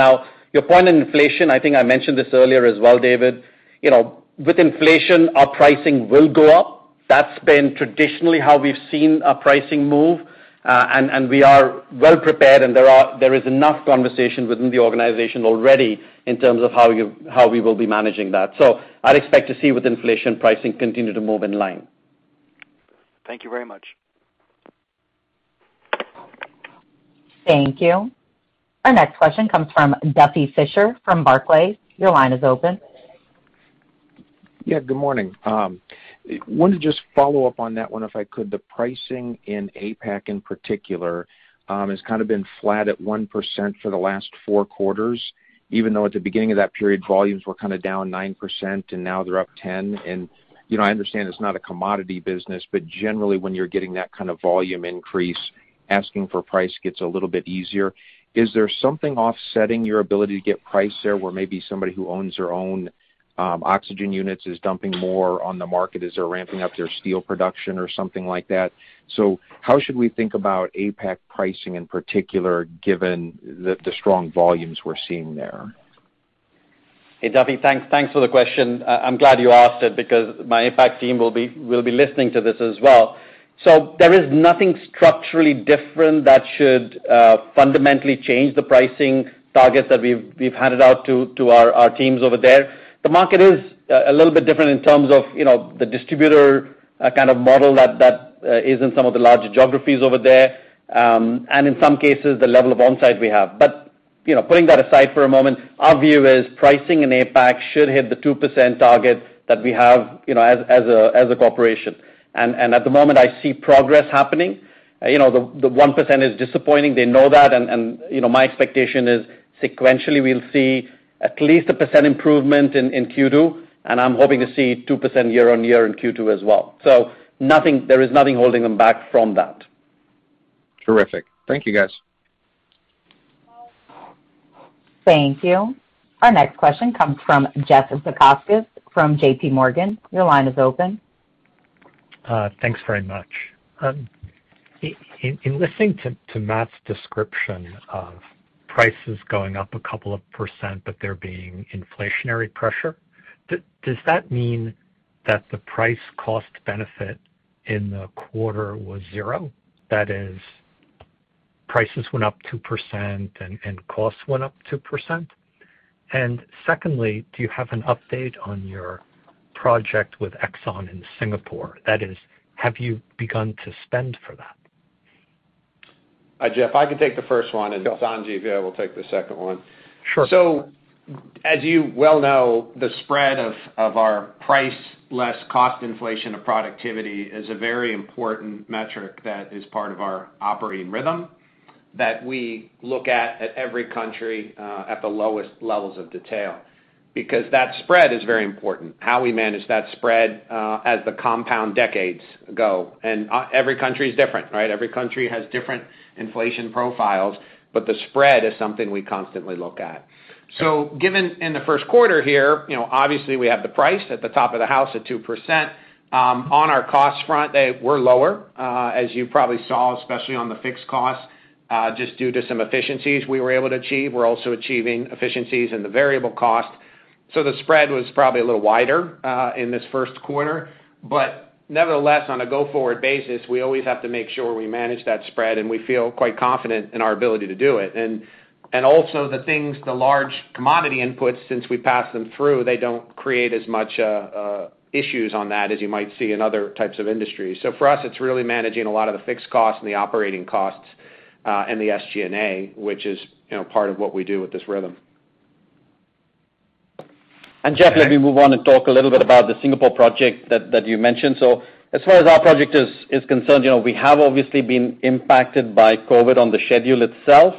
[SPEAKER 3] Your point on inflation, I think I mentioned this earlier as well, David. With inflation, our pricing will go up. That's been traditionally how we've seen our pricing move. We are well prepared, and there is enough conversation within the organization already in terms of how we will be managing that. I'd expect to see with inflation pricing continue to move in line.
[SPEAKER 9] Thank you very much.
[SPEAKER 1] Thank you. Our next question comes from Duffy Fischer from Barclays.
[SPEAKER 10] Yeah, good morning. Wanted to just follow up on that one, if I could. The pricing in APAC, in particular, has kind of been flat at 1% for the last four quarters, even though at the beginning of that period, volumes were kind of down 9% and now they're up 10%. I understand it's not a commodity business, but generally when you're getting that kind of volume increase, asking for price gets a little bit easier. Is there something offsetting your ability to get price there where maybe somebody who owns their own oxygen units is dumping more on the market as they're ramping up their steel production or something like that? How should we think about APAC pricing in particular, given the strong volumes we're seeing there?
[SPEAKER 3] Hey, Duffy. Thanks for the question. I'm glad you asked it because my APAC team will be listening to this as well. There is nothing structurally different that should fundamentally change the pricing targets that we've handed out to our teams over there. The market is a little bit different in terms of the distributor kind of model that is in some of the larger geographies over there, and in some cases, the level of onsite we have. Putting that aside for a moment, our view is pricing in APAC should hit the 2% target that we have as a corporation. At the moment, I see progress happening. The 1% is disappointing. They know that, and my expectation is sequentially we'll see at least a 1% improvement in Q2, and I'm hoping to see 2% year-on-year in Q2 as well. There is nothing holding them back from that.
[SPEAKER 10] Terrific. Thank you, guys.
[SPEAKER 1] Thank you. Our next question comes from Jeff Zekauskas from JPMorgan. Your line is open.
[SPEAKER 11] Thanks very much. In listening to Matt's description of prices going up a couple of percent, but there being inflationary pressure, does that mean that the price cost benefit in the quarter was zero? That is, prices went up 2% and costs went up 2%? Secondly, do you have an update on your project with ExxonMobil in Singapore? That is, have you begun to spend for that?
[SPEAKER 4] Jeff, I can take the first one-
[SPEAKER 11] Sure
[SPEAKER 4] Sanjiv, you will take the second one.
[SPEAKER 11] Sure.
[SPEAKER 4] As you well know, the spread of our price less cost inflation of productivity is a very important metric that is part of our operating rhythm that we look at every country, at the lowest levels of detail. That spread is very important. How we manage that spread as the compound decades go. Every country is different, right? Every country has different inflation profiles, but the spread is something we constantly look at. Given in the first quarter here, obviously we have the price at the top of the house at 2%. On our cost front, they were lower, as you probably saw, especially on the fixed costs, just due to some efficiencies we were able to achieve. We're also achieving efficiencies in the variable cost. The spread was probably a little wider in this first quarter. Nevertheless, on a go-forward basis, we always have to make sure we manage that spread, and we feel quite confident in our ability to do it. Also the things, the large commodity inputs, since we pass them through, they don't create as much issues on that as you might see in other types of industries. For us, it's really managing a lot of the fixed costs and the operating costs and the SG&A, which is part of what we do with this rhythm.
[SPEAKER 3] Jeff, let me move on and talk a little bit about the Singapore project that you mentioned. As far as our project is concerned, we have obviously been impacted by COVID on the schedule itself,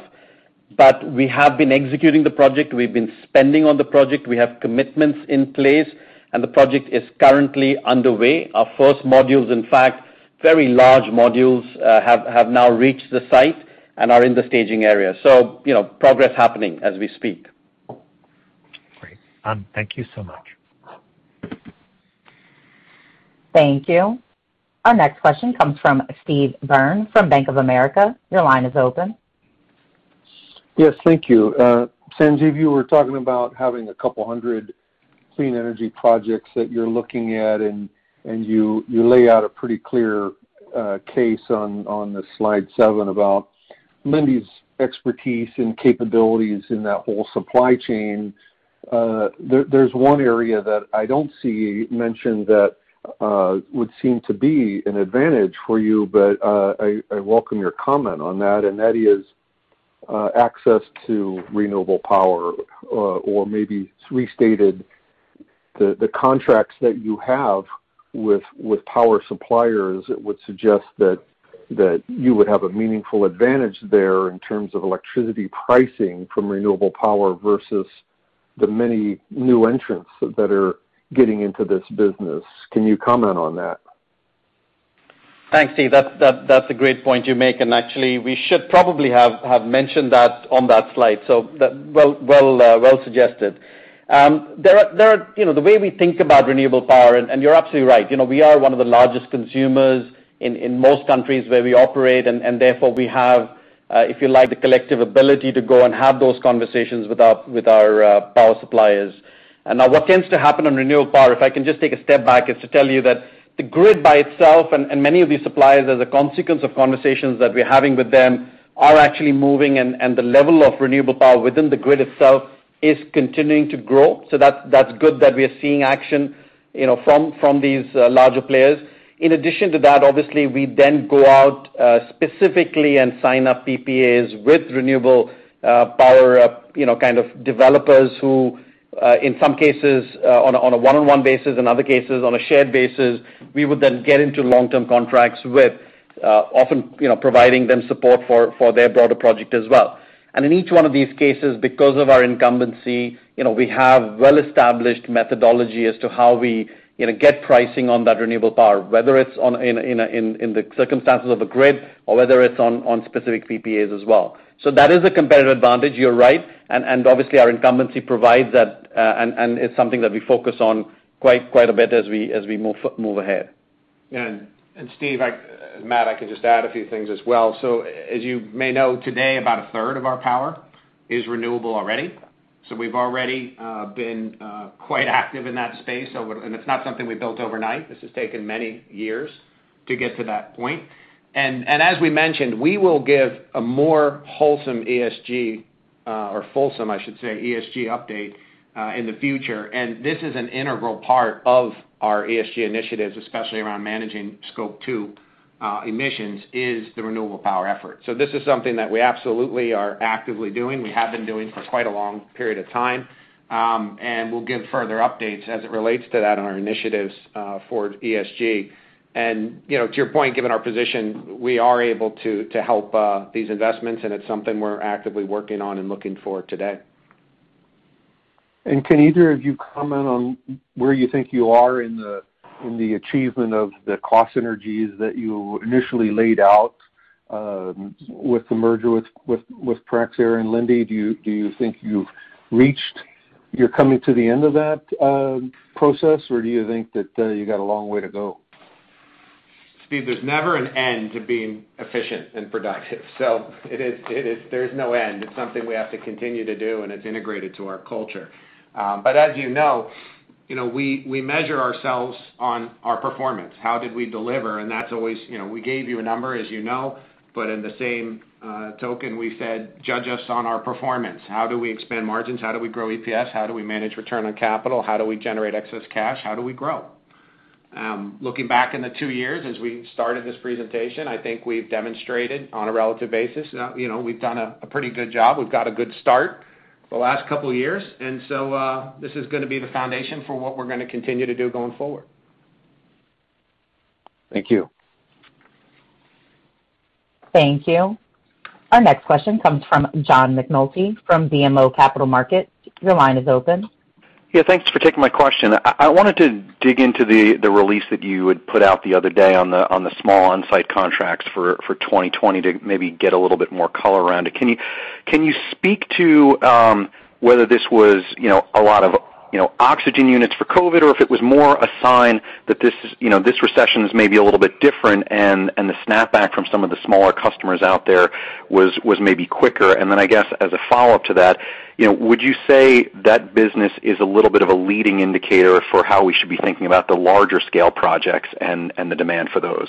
[SPEAKER 3] but we have been executing the project. We've been spending on the project. We have commitments in place, and the project is currently underway. Our first modules, in fact, very large modules, have now reached the site and are in the staging area. Progress happening as we speak.
[SPEAKER 11] Great. Thank you so much.
[SPEAKER 1] Thank you. Our next question comes from Steve Byrne from Bank of America. Your line is open.
[SPEAKER 12] Yes, thank you. Sanjiv, you were talking about having a couple hundred clean energy projects that you're looking at, and you lay out a pretty clear case on the slide seven about Linde's expertise and capabilities in that whole supply chain. There's one area that I don't see mentioned that would seem to be an advantage for you, but I welcome your comment on that, and that is access to renewable power or maybe restated the contracts that you have with power suppliers would suggest that you would have a meaningful advantage there in terms of electricity pricing from renewable power versus the many new entrants that are getting into this business. Can you comment on that?
[SPEAKER 3] Thanks, Steve. That's a great point you make, and actually, we should probably have mentioned that on that slide. Well suggested. The way we think about renewable power, and you're absolutely right, we are one of the largest consumers in most countries where we operate, and therefore we have, if you like, the collective ability to go and have those conversations with our power suppliers. Now what tends to happen on renewable power, if I can just take a step back, is to tell you that the grid by itself and many of these suppliers, as a consequence of conversations that we're having with them, are actually moving, and the level of renewable power within the grid itself is continuing to grow. That's good that we are seeing action from these larger players. In addition to that, obviously, we then go out specifically and sign up PPAs with renewable power developers who, in some cases, on a one-on-one basis, in other cases, on a shared basis, we would then get into long-term contracts with often providing them support for their broader project as well. In each one of these cases, because of our incumbency, we have well-established methodology as to how we get pricing on that renewable power, whether it's in the circumstances of a grid or whether it's on specific PPAs as well. That is a competitive advantage, you're right. Obviously, our incumbency provides that, and it's something that we focus on quite a bit as we move ahead.
[SPEAKER 4] Yeah. Steve, Matt, I can just add a few things as well. As you may know, today, about a third of our power is renewable already. We've already been quite active in that space, and it's not something we built overnight. This has taken many years to get to that point. As we mentioned, we will give a more wholesome ESG, or fulsome, I should say, ESG update in the future. This is an integral part of our ESG initiatives, especially around managing Scope 2 emissions, is the renewable power effort. This is something that we absolutely are actively doing. We have been doing for quite a long period of time. We'll give further updates as it relates to that on our initiatives for ESG. To your point, given our position, we are able to help these investments, and it's something we're actively working on and looking for today.
[SPEAKER 12] Can either of you comment on where you think you are in the achievement of the cost synergies that you initially laid out with the merger with Praxair and Linde? Do you think you're coming to the end of that process, or do you think that you got a long way to go?
[SPEAKER 4] Steve, there's never an end to being efficient and productive. There's no end. It's something we have to continue to do, and it's integrated to our culture. As you know, we measure ourselves on our performance. How did we deliver? That's always, we gave you a number, as you know. In the same token, we said, "Judge us on our performance." How do we expand margins? How do we grow EPS? How do we manage return on capital? How do we generate excess cash? How do we grow? Looking back in the two years as we started this presentation, I think we've demonstrated on a relative basis that we've done a pretty good job. We've got a good start the last couple of years. This is going to be the foundation for what we're going to continue to do going forward.
[SPEAKER 12] Thank you.
[SPEAKER 1] Thank you. Our next question comes from John McNulty from BMO Capital Markets. Your line is open.
[SPEAKER 13] Yeah, thanks for taking my question. I wanted to dig into the release that you had put out the other day on the small on-site contracts for 2020 to maybe get a little bit more color around it. Can you speak to whether this was a lot of oxygen units for COVID, or if it was more a sign that this recession is maybe a little bit different, and the snapback from some of the smaller customers out there was maybe quicker? I guess, as a follow-up to that, would you say that business is a little bit of a leading indicator for how we should be thinking about the larger scale projects and the demand for those?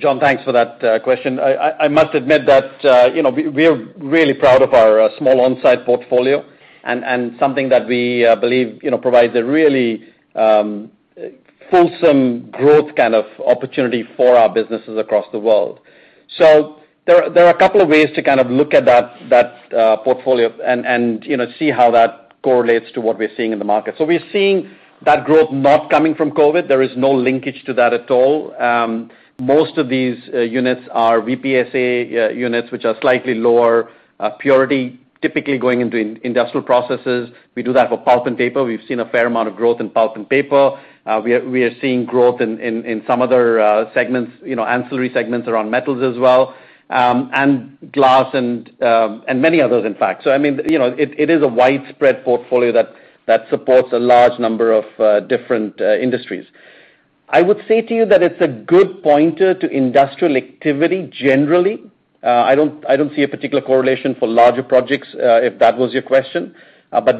[SPEAKER 3] John, thanks for that question. I must admit that we are really proud of our small on-site portfolio, and something that we believe provides a really fulsome growth kind of opportunity for our businesses across the world. There are a couple of ways to look at that portfolio and see how that correlates to what we're seeing in the market. We're seeing that growth not coming from COVID. There is no linkage to that at all. Most of these units are VPSA units, which are slightly lower purity, typically going into industrial processes. We do that for pulp and paper. We've seen a fair amount of growth in pulp and paper. We are seeing growth in some other ancillary segments around metals as well, and glass, and many others, in fact. It is a widespread portfolio that supports a large number of different industries. I would say to you that it's a good pointer to industrial activity generally. I don't see a particular correlation for larger projects, if that was your question.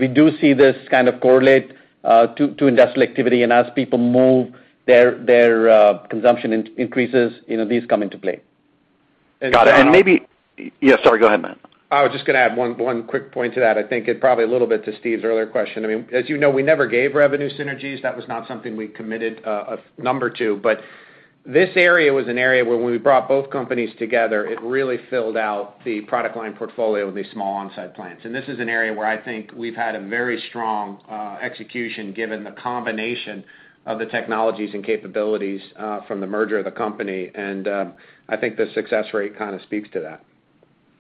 [SPEAKER 3] We do see this kind of correlate to industrial activity, and as people move, their consumption increases, these come into play.
[SPEAKER 13] Got it. Yeah, sorry, go ahead, Matt.
[SPEAKER 4] I was just going to add one quick point to that. I think it probably a little bit to Steve's earlier question. As you know, we never gave revenue synergies. That was not something we committed a number to. This area was an area where when we brought both companies together, it really filled out the product line portfolio of these small on-site plants. This is an area where I think we've had a very strong execution, given the combination of the technologies and capabilities from the merger of the company, and I think the success rate kind of speaks to that.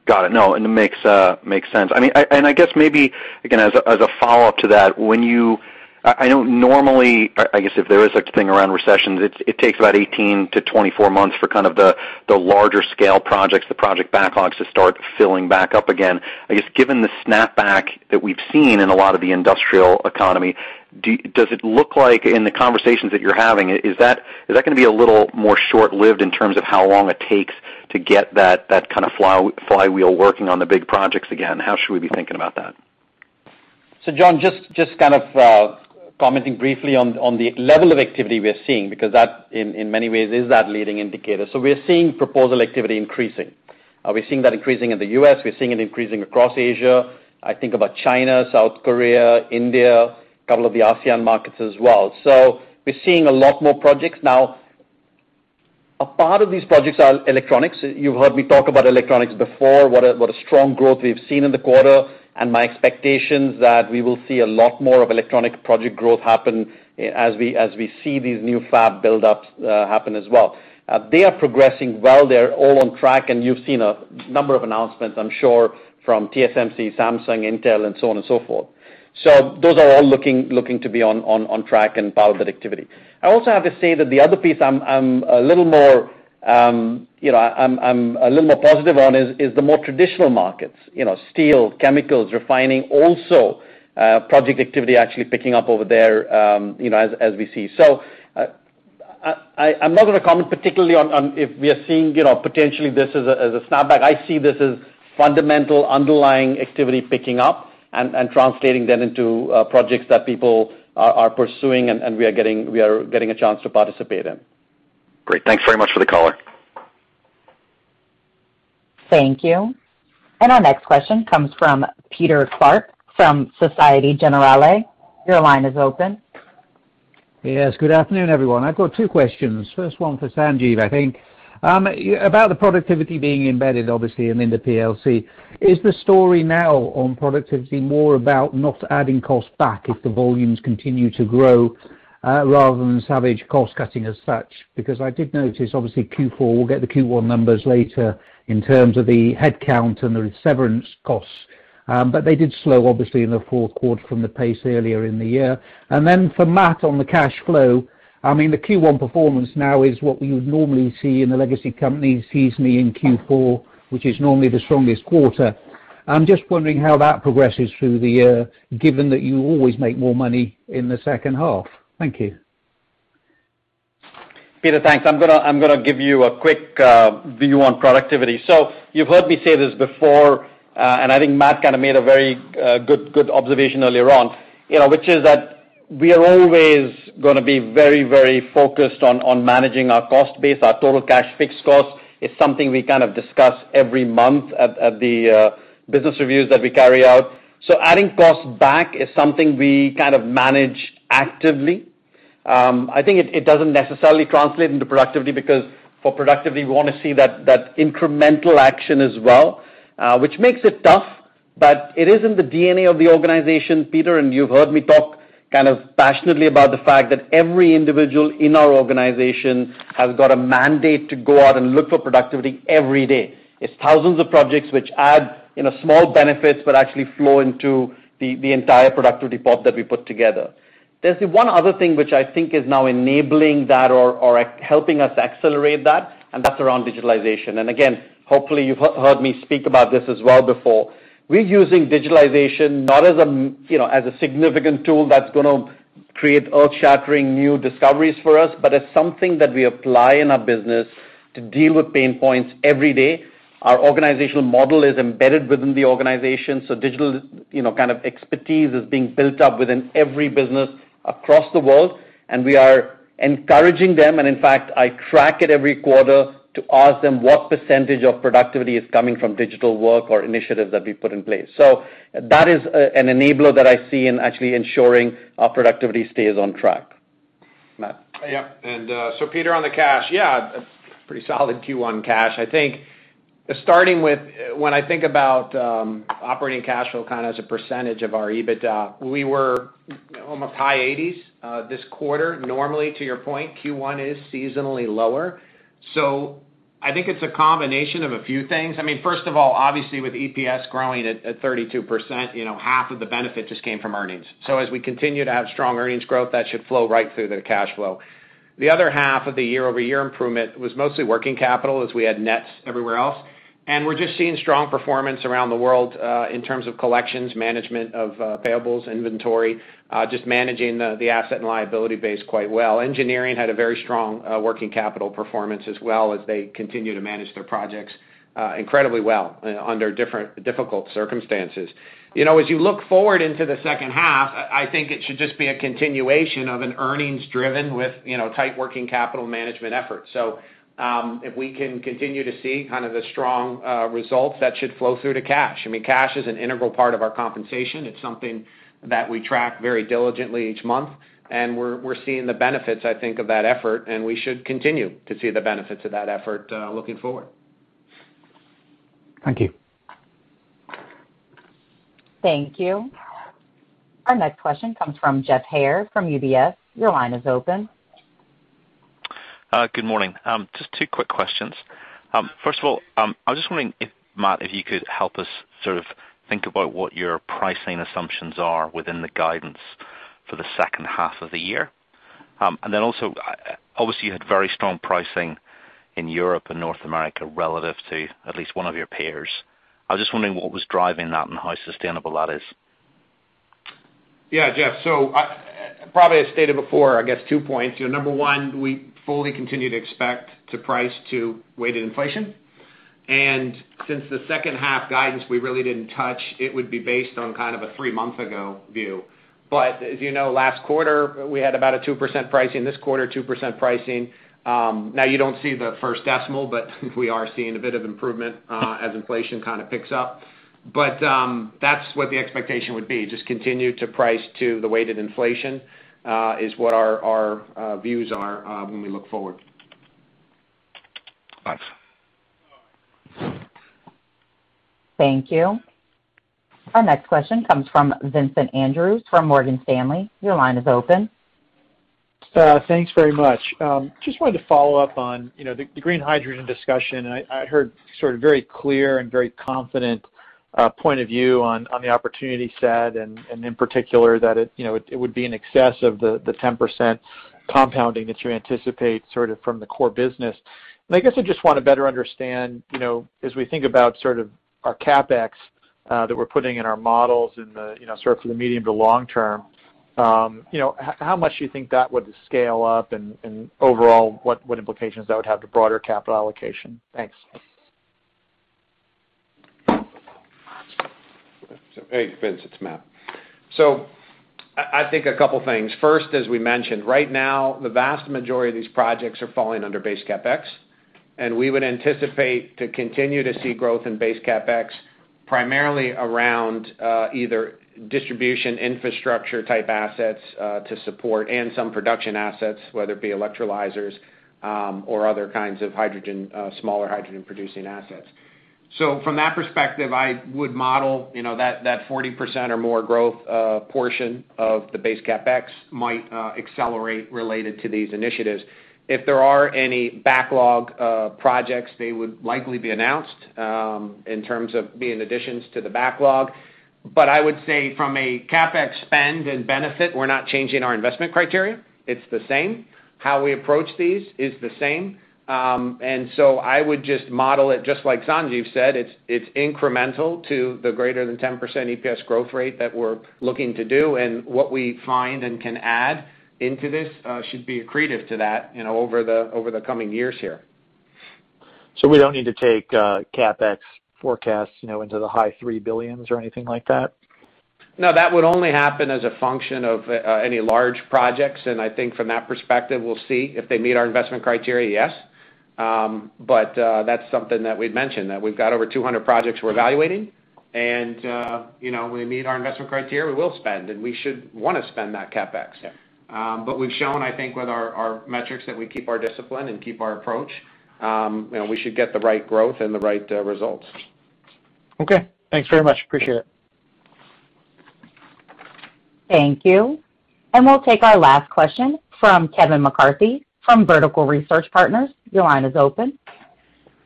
[SPEAKER 13] Got it. No, and it makes sense. I guess maybe, again, as a follow-up to that, I know normally, I guess if there is such a thing around recessions, it takes about 18-24 months for the larger scale projects, the project backlogs to start filling back up again. I guess given the snapback that we've seen in a lot of the industrial economy, does it look like in the conversations that you're having, is that going to be a little more short-lived in terms of how long it takes to get that kind of flywheel working on the big projects again? How should we be thinking about that?
[SPEAKER 3] John, just kind of commenting briefly on the level of activity we are seeing, because that, in many ways, is that leading indicator. We are seeing proposal activity increasing. We're seeing that increasing in the U.S., we're seeing it increasing across Asia. I think about China, South Korea, India, a couple of the ASEAN markets as well. We're seeing a lot more projects. Now, a part of these projects are electronics. You've heard me talk about electronics before, what a strong growth we've seen in the quarter, and my expectations that we will see a lot more of electronic project growth happen as we see these new fab buildups happen as well. They are progressing well. They're all on track, and you've seen a number of announcements, I'm sure, from TSMC, Samsung, Intel, and so on and so forth. Those are all looking to be on track and part of that activity. I also have to say that the other piece I'm a little more positive on is the more traditional markets. Steel, chemicals, refining, also project activity actually picking up over there as we see. I'm not going to comment particularly on if we are seeing potentially this as a snapback. I see this as fundamental underlying activity picking up and translating that into projects that people are pursuing, and we are getting a chance to participate in.
[SPEAKER 13] Great. Thanks very much for the color.
[SPEAKER 1] Thank you. Our next question comes from Peter Clark from Société Générale. Your line is open.
[SPEAKER 14] Yes. Good afternoon, everyone. I've got two questions. First one for Sanjiv, I think. About the productivity being embedded, obviously, in the P&L. Is the story now on productivity more about not adding cost back if the volumes continue to grow, rather than savage cost-cutting as such? Because I did notice, obviously, Q4, we'll get the Q1 numbers later in terms of the headcount and the severance costs. They did slow, obviously, in the fourth quarter from the pace earlier in the year. For Matt on the cash flow, the Q1 performance now is what we would normally see in the legacy companies seasonally in Q4, which is normally the strongest quarter. I'm just wondering how that progresses through the year, given that you always make more money in the second half. Thank you.
[SPEAKER 3] Peter, thanks. I'm going to give you a quick view on productivity. You've heard me say this before, and I think Matt kind of made a very good observation earlier on, which is that we are always going to be very focused on managing our cost base, our total cash fixed cost. It's something we kind of discuss every month at the business reviews that we carry out. Adding costs back is something we kind of manage actively. I think it doesn't necessarily translate into productivity because for productivity, we want to see that incremental action as well, which makes it tough, but it is in the DNA of the organization, Peter, and you've heard me talk kind of passionately about the fact that every individual in our organization has got a mandate to go out and look for productivity every day. It's thousands of projects which add small benefits but actually flow into the entire productivity pot that we put together. There's one other thing which I think is now enabling that or helping us accelerate that, and that's around digitalization. Again, hopefully you've heard me speak about this as well before. We're using digitalization not as a significant tool that's going to create earth-shattering new discoveries for us, but as something that we apply in our business to deal with pain points every day. Our organizational model is embedded within the organization, so digital kind of expertise is being built up within every business across the world, and we are encouraging them. In fact, I track it every quarter to ask them what percentage of productivity is coming from digital work or initiatives that we've put in place. That is an enabler that I see in actually ensuring our productivity stays on track. Matt?
[SPEAKER 4] Yep. Peter, on the cash. Yeah, pretty solid Q1 cash. I think starting with when I think about operating cash flow kind of as a percentage of our EBITDA, we were almost high 80s this quarter. Normally, to your point, Q1 is seasonally lower. I think it's a combination of a few things. First of all, obviously with EPS growing at 32%, half of the benefit just came from earnings. As we continue to have strong earnings growth, that should flow right through to the cash flow. The other half of the year-over-year improvement was mostly working capital, as we had nets everywhere else. We're just seeing strong performance around the world in terms of collections, management of payables, inventory, just managing the asset and liability base quite well. Engineering had a very strong working capital performance as well as they continue to manage their projects incredibly well under difficult circumstances. As you look forward into the second half, I think it should just be a continuation of an earnings driven with tight working capital management effort. If we can continue to see kind of the strong results, that should flow through to cash. Cash is an integral part of our compensation. It's something that we track very diligently each month, and we're seeing the benefits, I think, of that effort, and we should continue to see the benefits of that effort looking forward.
[SPEAKER 14] Thank you.
[SPEAKER 1] Thank you. Our next question comes from Geoff Haire from UBS. Your line is open.
[SPEAKER 15] Good morning. Just two quick questions. First of all, I was just wondering if, Matt, if you could help us sort of think about what your pricing assumptions are within the guidance for the second half of the year. Also, obviously, you had very strong pricing in Europe and North America relative to at least one of your peers. I was just wondering what was driving that and how sustainable that is.
[SPEAKER 4] Yeah, Jeff, probably I stated before, I guess two points. Number one, we fully continue to expect to price to weighted inflation. Since the second-half guidance we really didn't touch, it would be based on kind of a three-month ago view. As you know, last quarter, we had about a 2% pricing. This quarter, 2% pricing. Now you don't see the first decimal, but we are seeing a bit of improvement as inflation kind of picks up. That's what the expectation would be, just continue to price to the weighted inflation, is what our views are when we look forward.
[SPEAKER 15] Thanks.
[SPEAKER 1] Thank you. Our next question comes from Vincent Andrews from Morgan Stanley. Your line is open.
[SPEAKER 16] Thanks very much. Just wanted to follow up on the green hydrogen discussion. I heard sort of very clear and very confident point of view on the opportunity set, and in particular, that it would be in excess of the 10% compounding that you anticipate sort of from the core business. I guess I just want to better understand, as we think about sort of our CapEx that we're putting in our models and sort of for the medium to long term, how much do you think that would scale up and overall what implications that would have to broader capital allocation? Thanks.
[SPEAKER 4] Hey, Vincent, it's Matt. I think a couple things. First, as we mentioned, right now the vast majority of these projects are falling under base CapEx and we would anticipate to continue to see growth in base CapEx primarily around either distribution infrastructure type assets to support and some production assets, whether it be electrolyzers or other kinds of smaller hydrogen producing assets. From that perspective, I would model that 40% or more growth portion of the base CapEx might accelerate related to these initiatives. If there are any backlog projects, they would likely be announced in terms of being additions to the backlog. I would say from a CapEx spend and benefit, we're not changing our investment criteria. It's the same. How we approach these is the same. I would just model it just like Sanjiv said, it's incremental to the greater than 10% EPS growth rate that we're looking to do. what we find and can add into this should be accretive to that over the coming years here.
[SPEAKER 16] We don't need to take CapEx forecasts into the high three billions or anything like that?
[SPEAKER 4] No, that would only happen as a function of any large projects and I think from that perspective we'll see if they meet our investment criteria, yes. that's something that we've mentioned, that we've got over 200 projects we're evaluating and if they meet our investment criteria, we will spend and we should want to spend that CapEx.
[SPEAKER 16] Yeah.
[SPEAKER 4] We've shown I think with our metrics that we keep our discipline and keep our approach. We should get the right growth and the right results.
[SPEAKER 16] Okay. Thanks very much. Appreciate it.
[SPEAKER 1] Thank you. We'll take our last question from Kevin McCarthy from Vertical Research Partners. Your line is open.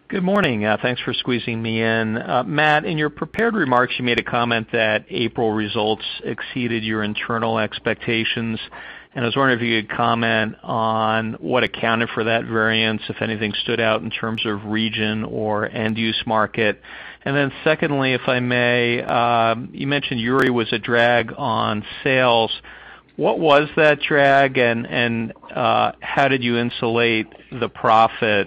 [SPEAKER 17] Good morning. Thanks for squeezing me in. Matt, in your prepared remarks, you made a comment that April results exceeded your internal expectations, and I was wondering if you could comment on what accounted for that variance, if anything stood out in terms of region or end-use market. Secondly, if I may, you mentioned Uri was a drag on sales. What was that drag, and how did you insulate the profit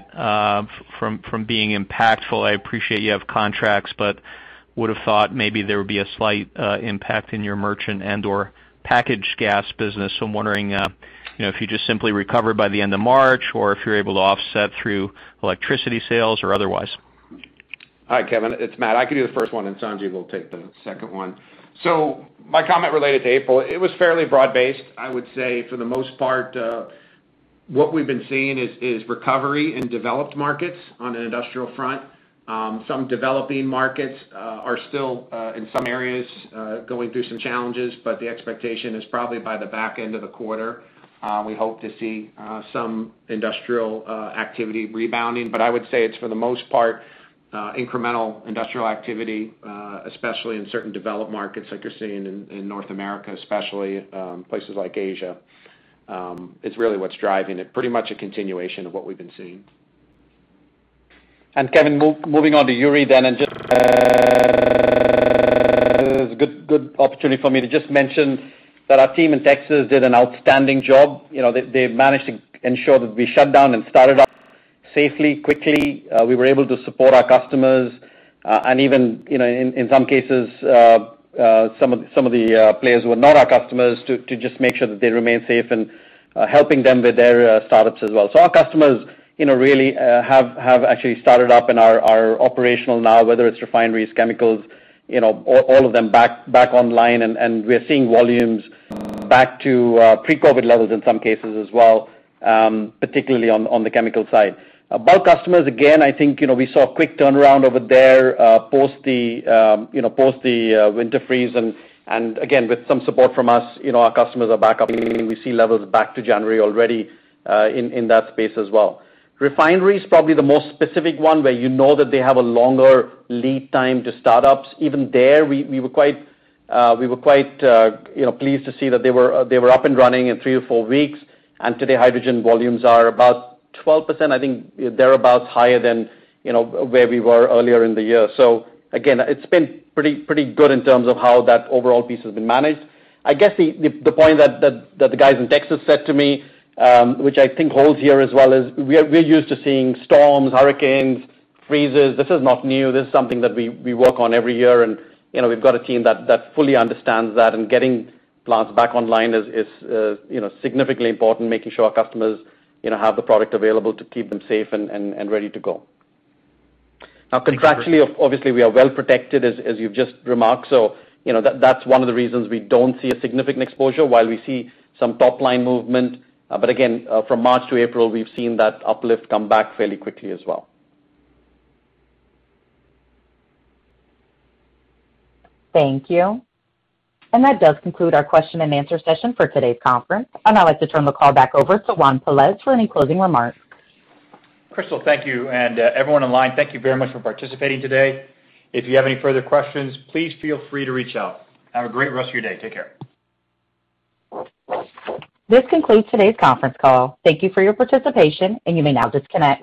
[SPEAKER 17] from being impactful? I appreciate you have contracts, but would've thought maybe there would be a slight impact in your merchant and/or packaged gas business. I'm wondering if you just simply recovered by the end of March, or if you're able to offset through electricity sales or otherwise.
[SPEAKER 4] Hi, Kevin. It's Matt. I can do the first one, and Sanjiv will take the second one. My comment related to April, it was fairly broad-based. I would say for the most part, what we've been seeing is recovery in developed markets on an industrial front. Some developing markets are still, in some areas, going through some challenges, but the expectation is probably by the back end of the quarter, we hope to see some industrial activity rebounding. I would say it's, for the most part, incremental industrial activity, especially in certain developed markets like you're seeing in North America especially, places like Asia. It's really what's driving it. Pretty much a continuation of what we've been seeing.
[SPEAKER 3] Kevin, moving on to Uri then and just good opportunity for me to just mention that our team in Texas did an outstanding job. They managed to ensure that we shut down and started up safely, quickly. We were able to support our customers, and even in some cases, some of the players who are not our customers to just make sure that they remain safe and helping them with their startups as well. Our customers really have actually started up and are operational now, whether it's refineries, chemicals, all of them back online. We are seeing volumes back to pre-COVID levels in some cases as well, particularly on the chemical side. Bulk customers, again, I think we saw a quick turnaround over there post the winter freeze and, again, with some support from us, our customers are back up, and we see levels back to January already in that space as well. Refineries, probably the most specific one where you know that they have a longer lead time to startups. Even there, we were quite pleased to see that they were up and running in three or four weeks. Today, hydrogen volumes are about 12%, I think thereabouts, higher than where we were earlier in the year. Again, it's been pretty good in terms of how that overall piece has been managed. I guess the point that the guys in Texas said to me, which I think holds here as well, is we're used to seeing storms, hurricanes, freezes. This is not new. This is something that we work on every year, and we've got a team that fully understands that. Getting plants back online is significantly important, making sure our customers have the product available to keep them safe and ready to go. Now contractually, obviously, we are well protected, as you've just remarked, so that's one of the reasons we don't see a significant exposure while we see some top-line movement. Again, from March to April, we've seen that uplift come back fairly quickly as well.
[SPEAKER 1] Thank you. That does conclude our question and answer session for today's conference. I'd now like to turn the call back over to Juan Pelaez for any closing remarks.
[SPEAKER 2] Crystal, thank you, and everyone online, thank you very much for participating today. If you have any further questions, please feel free to reach out. Have a great rest of your day. Take care.
[SPEAKER 1] This concludes today's conference call. Thank you for your participation, and you may now disconnect.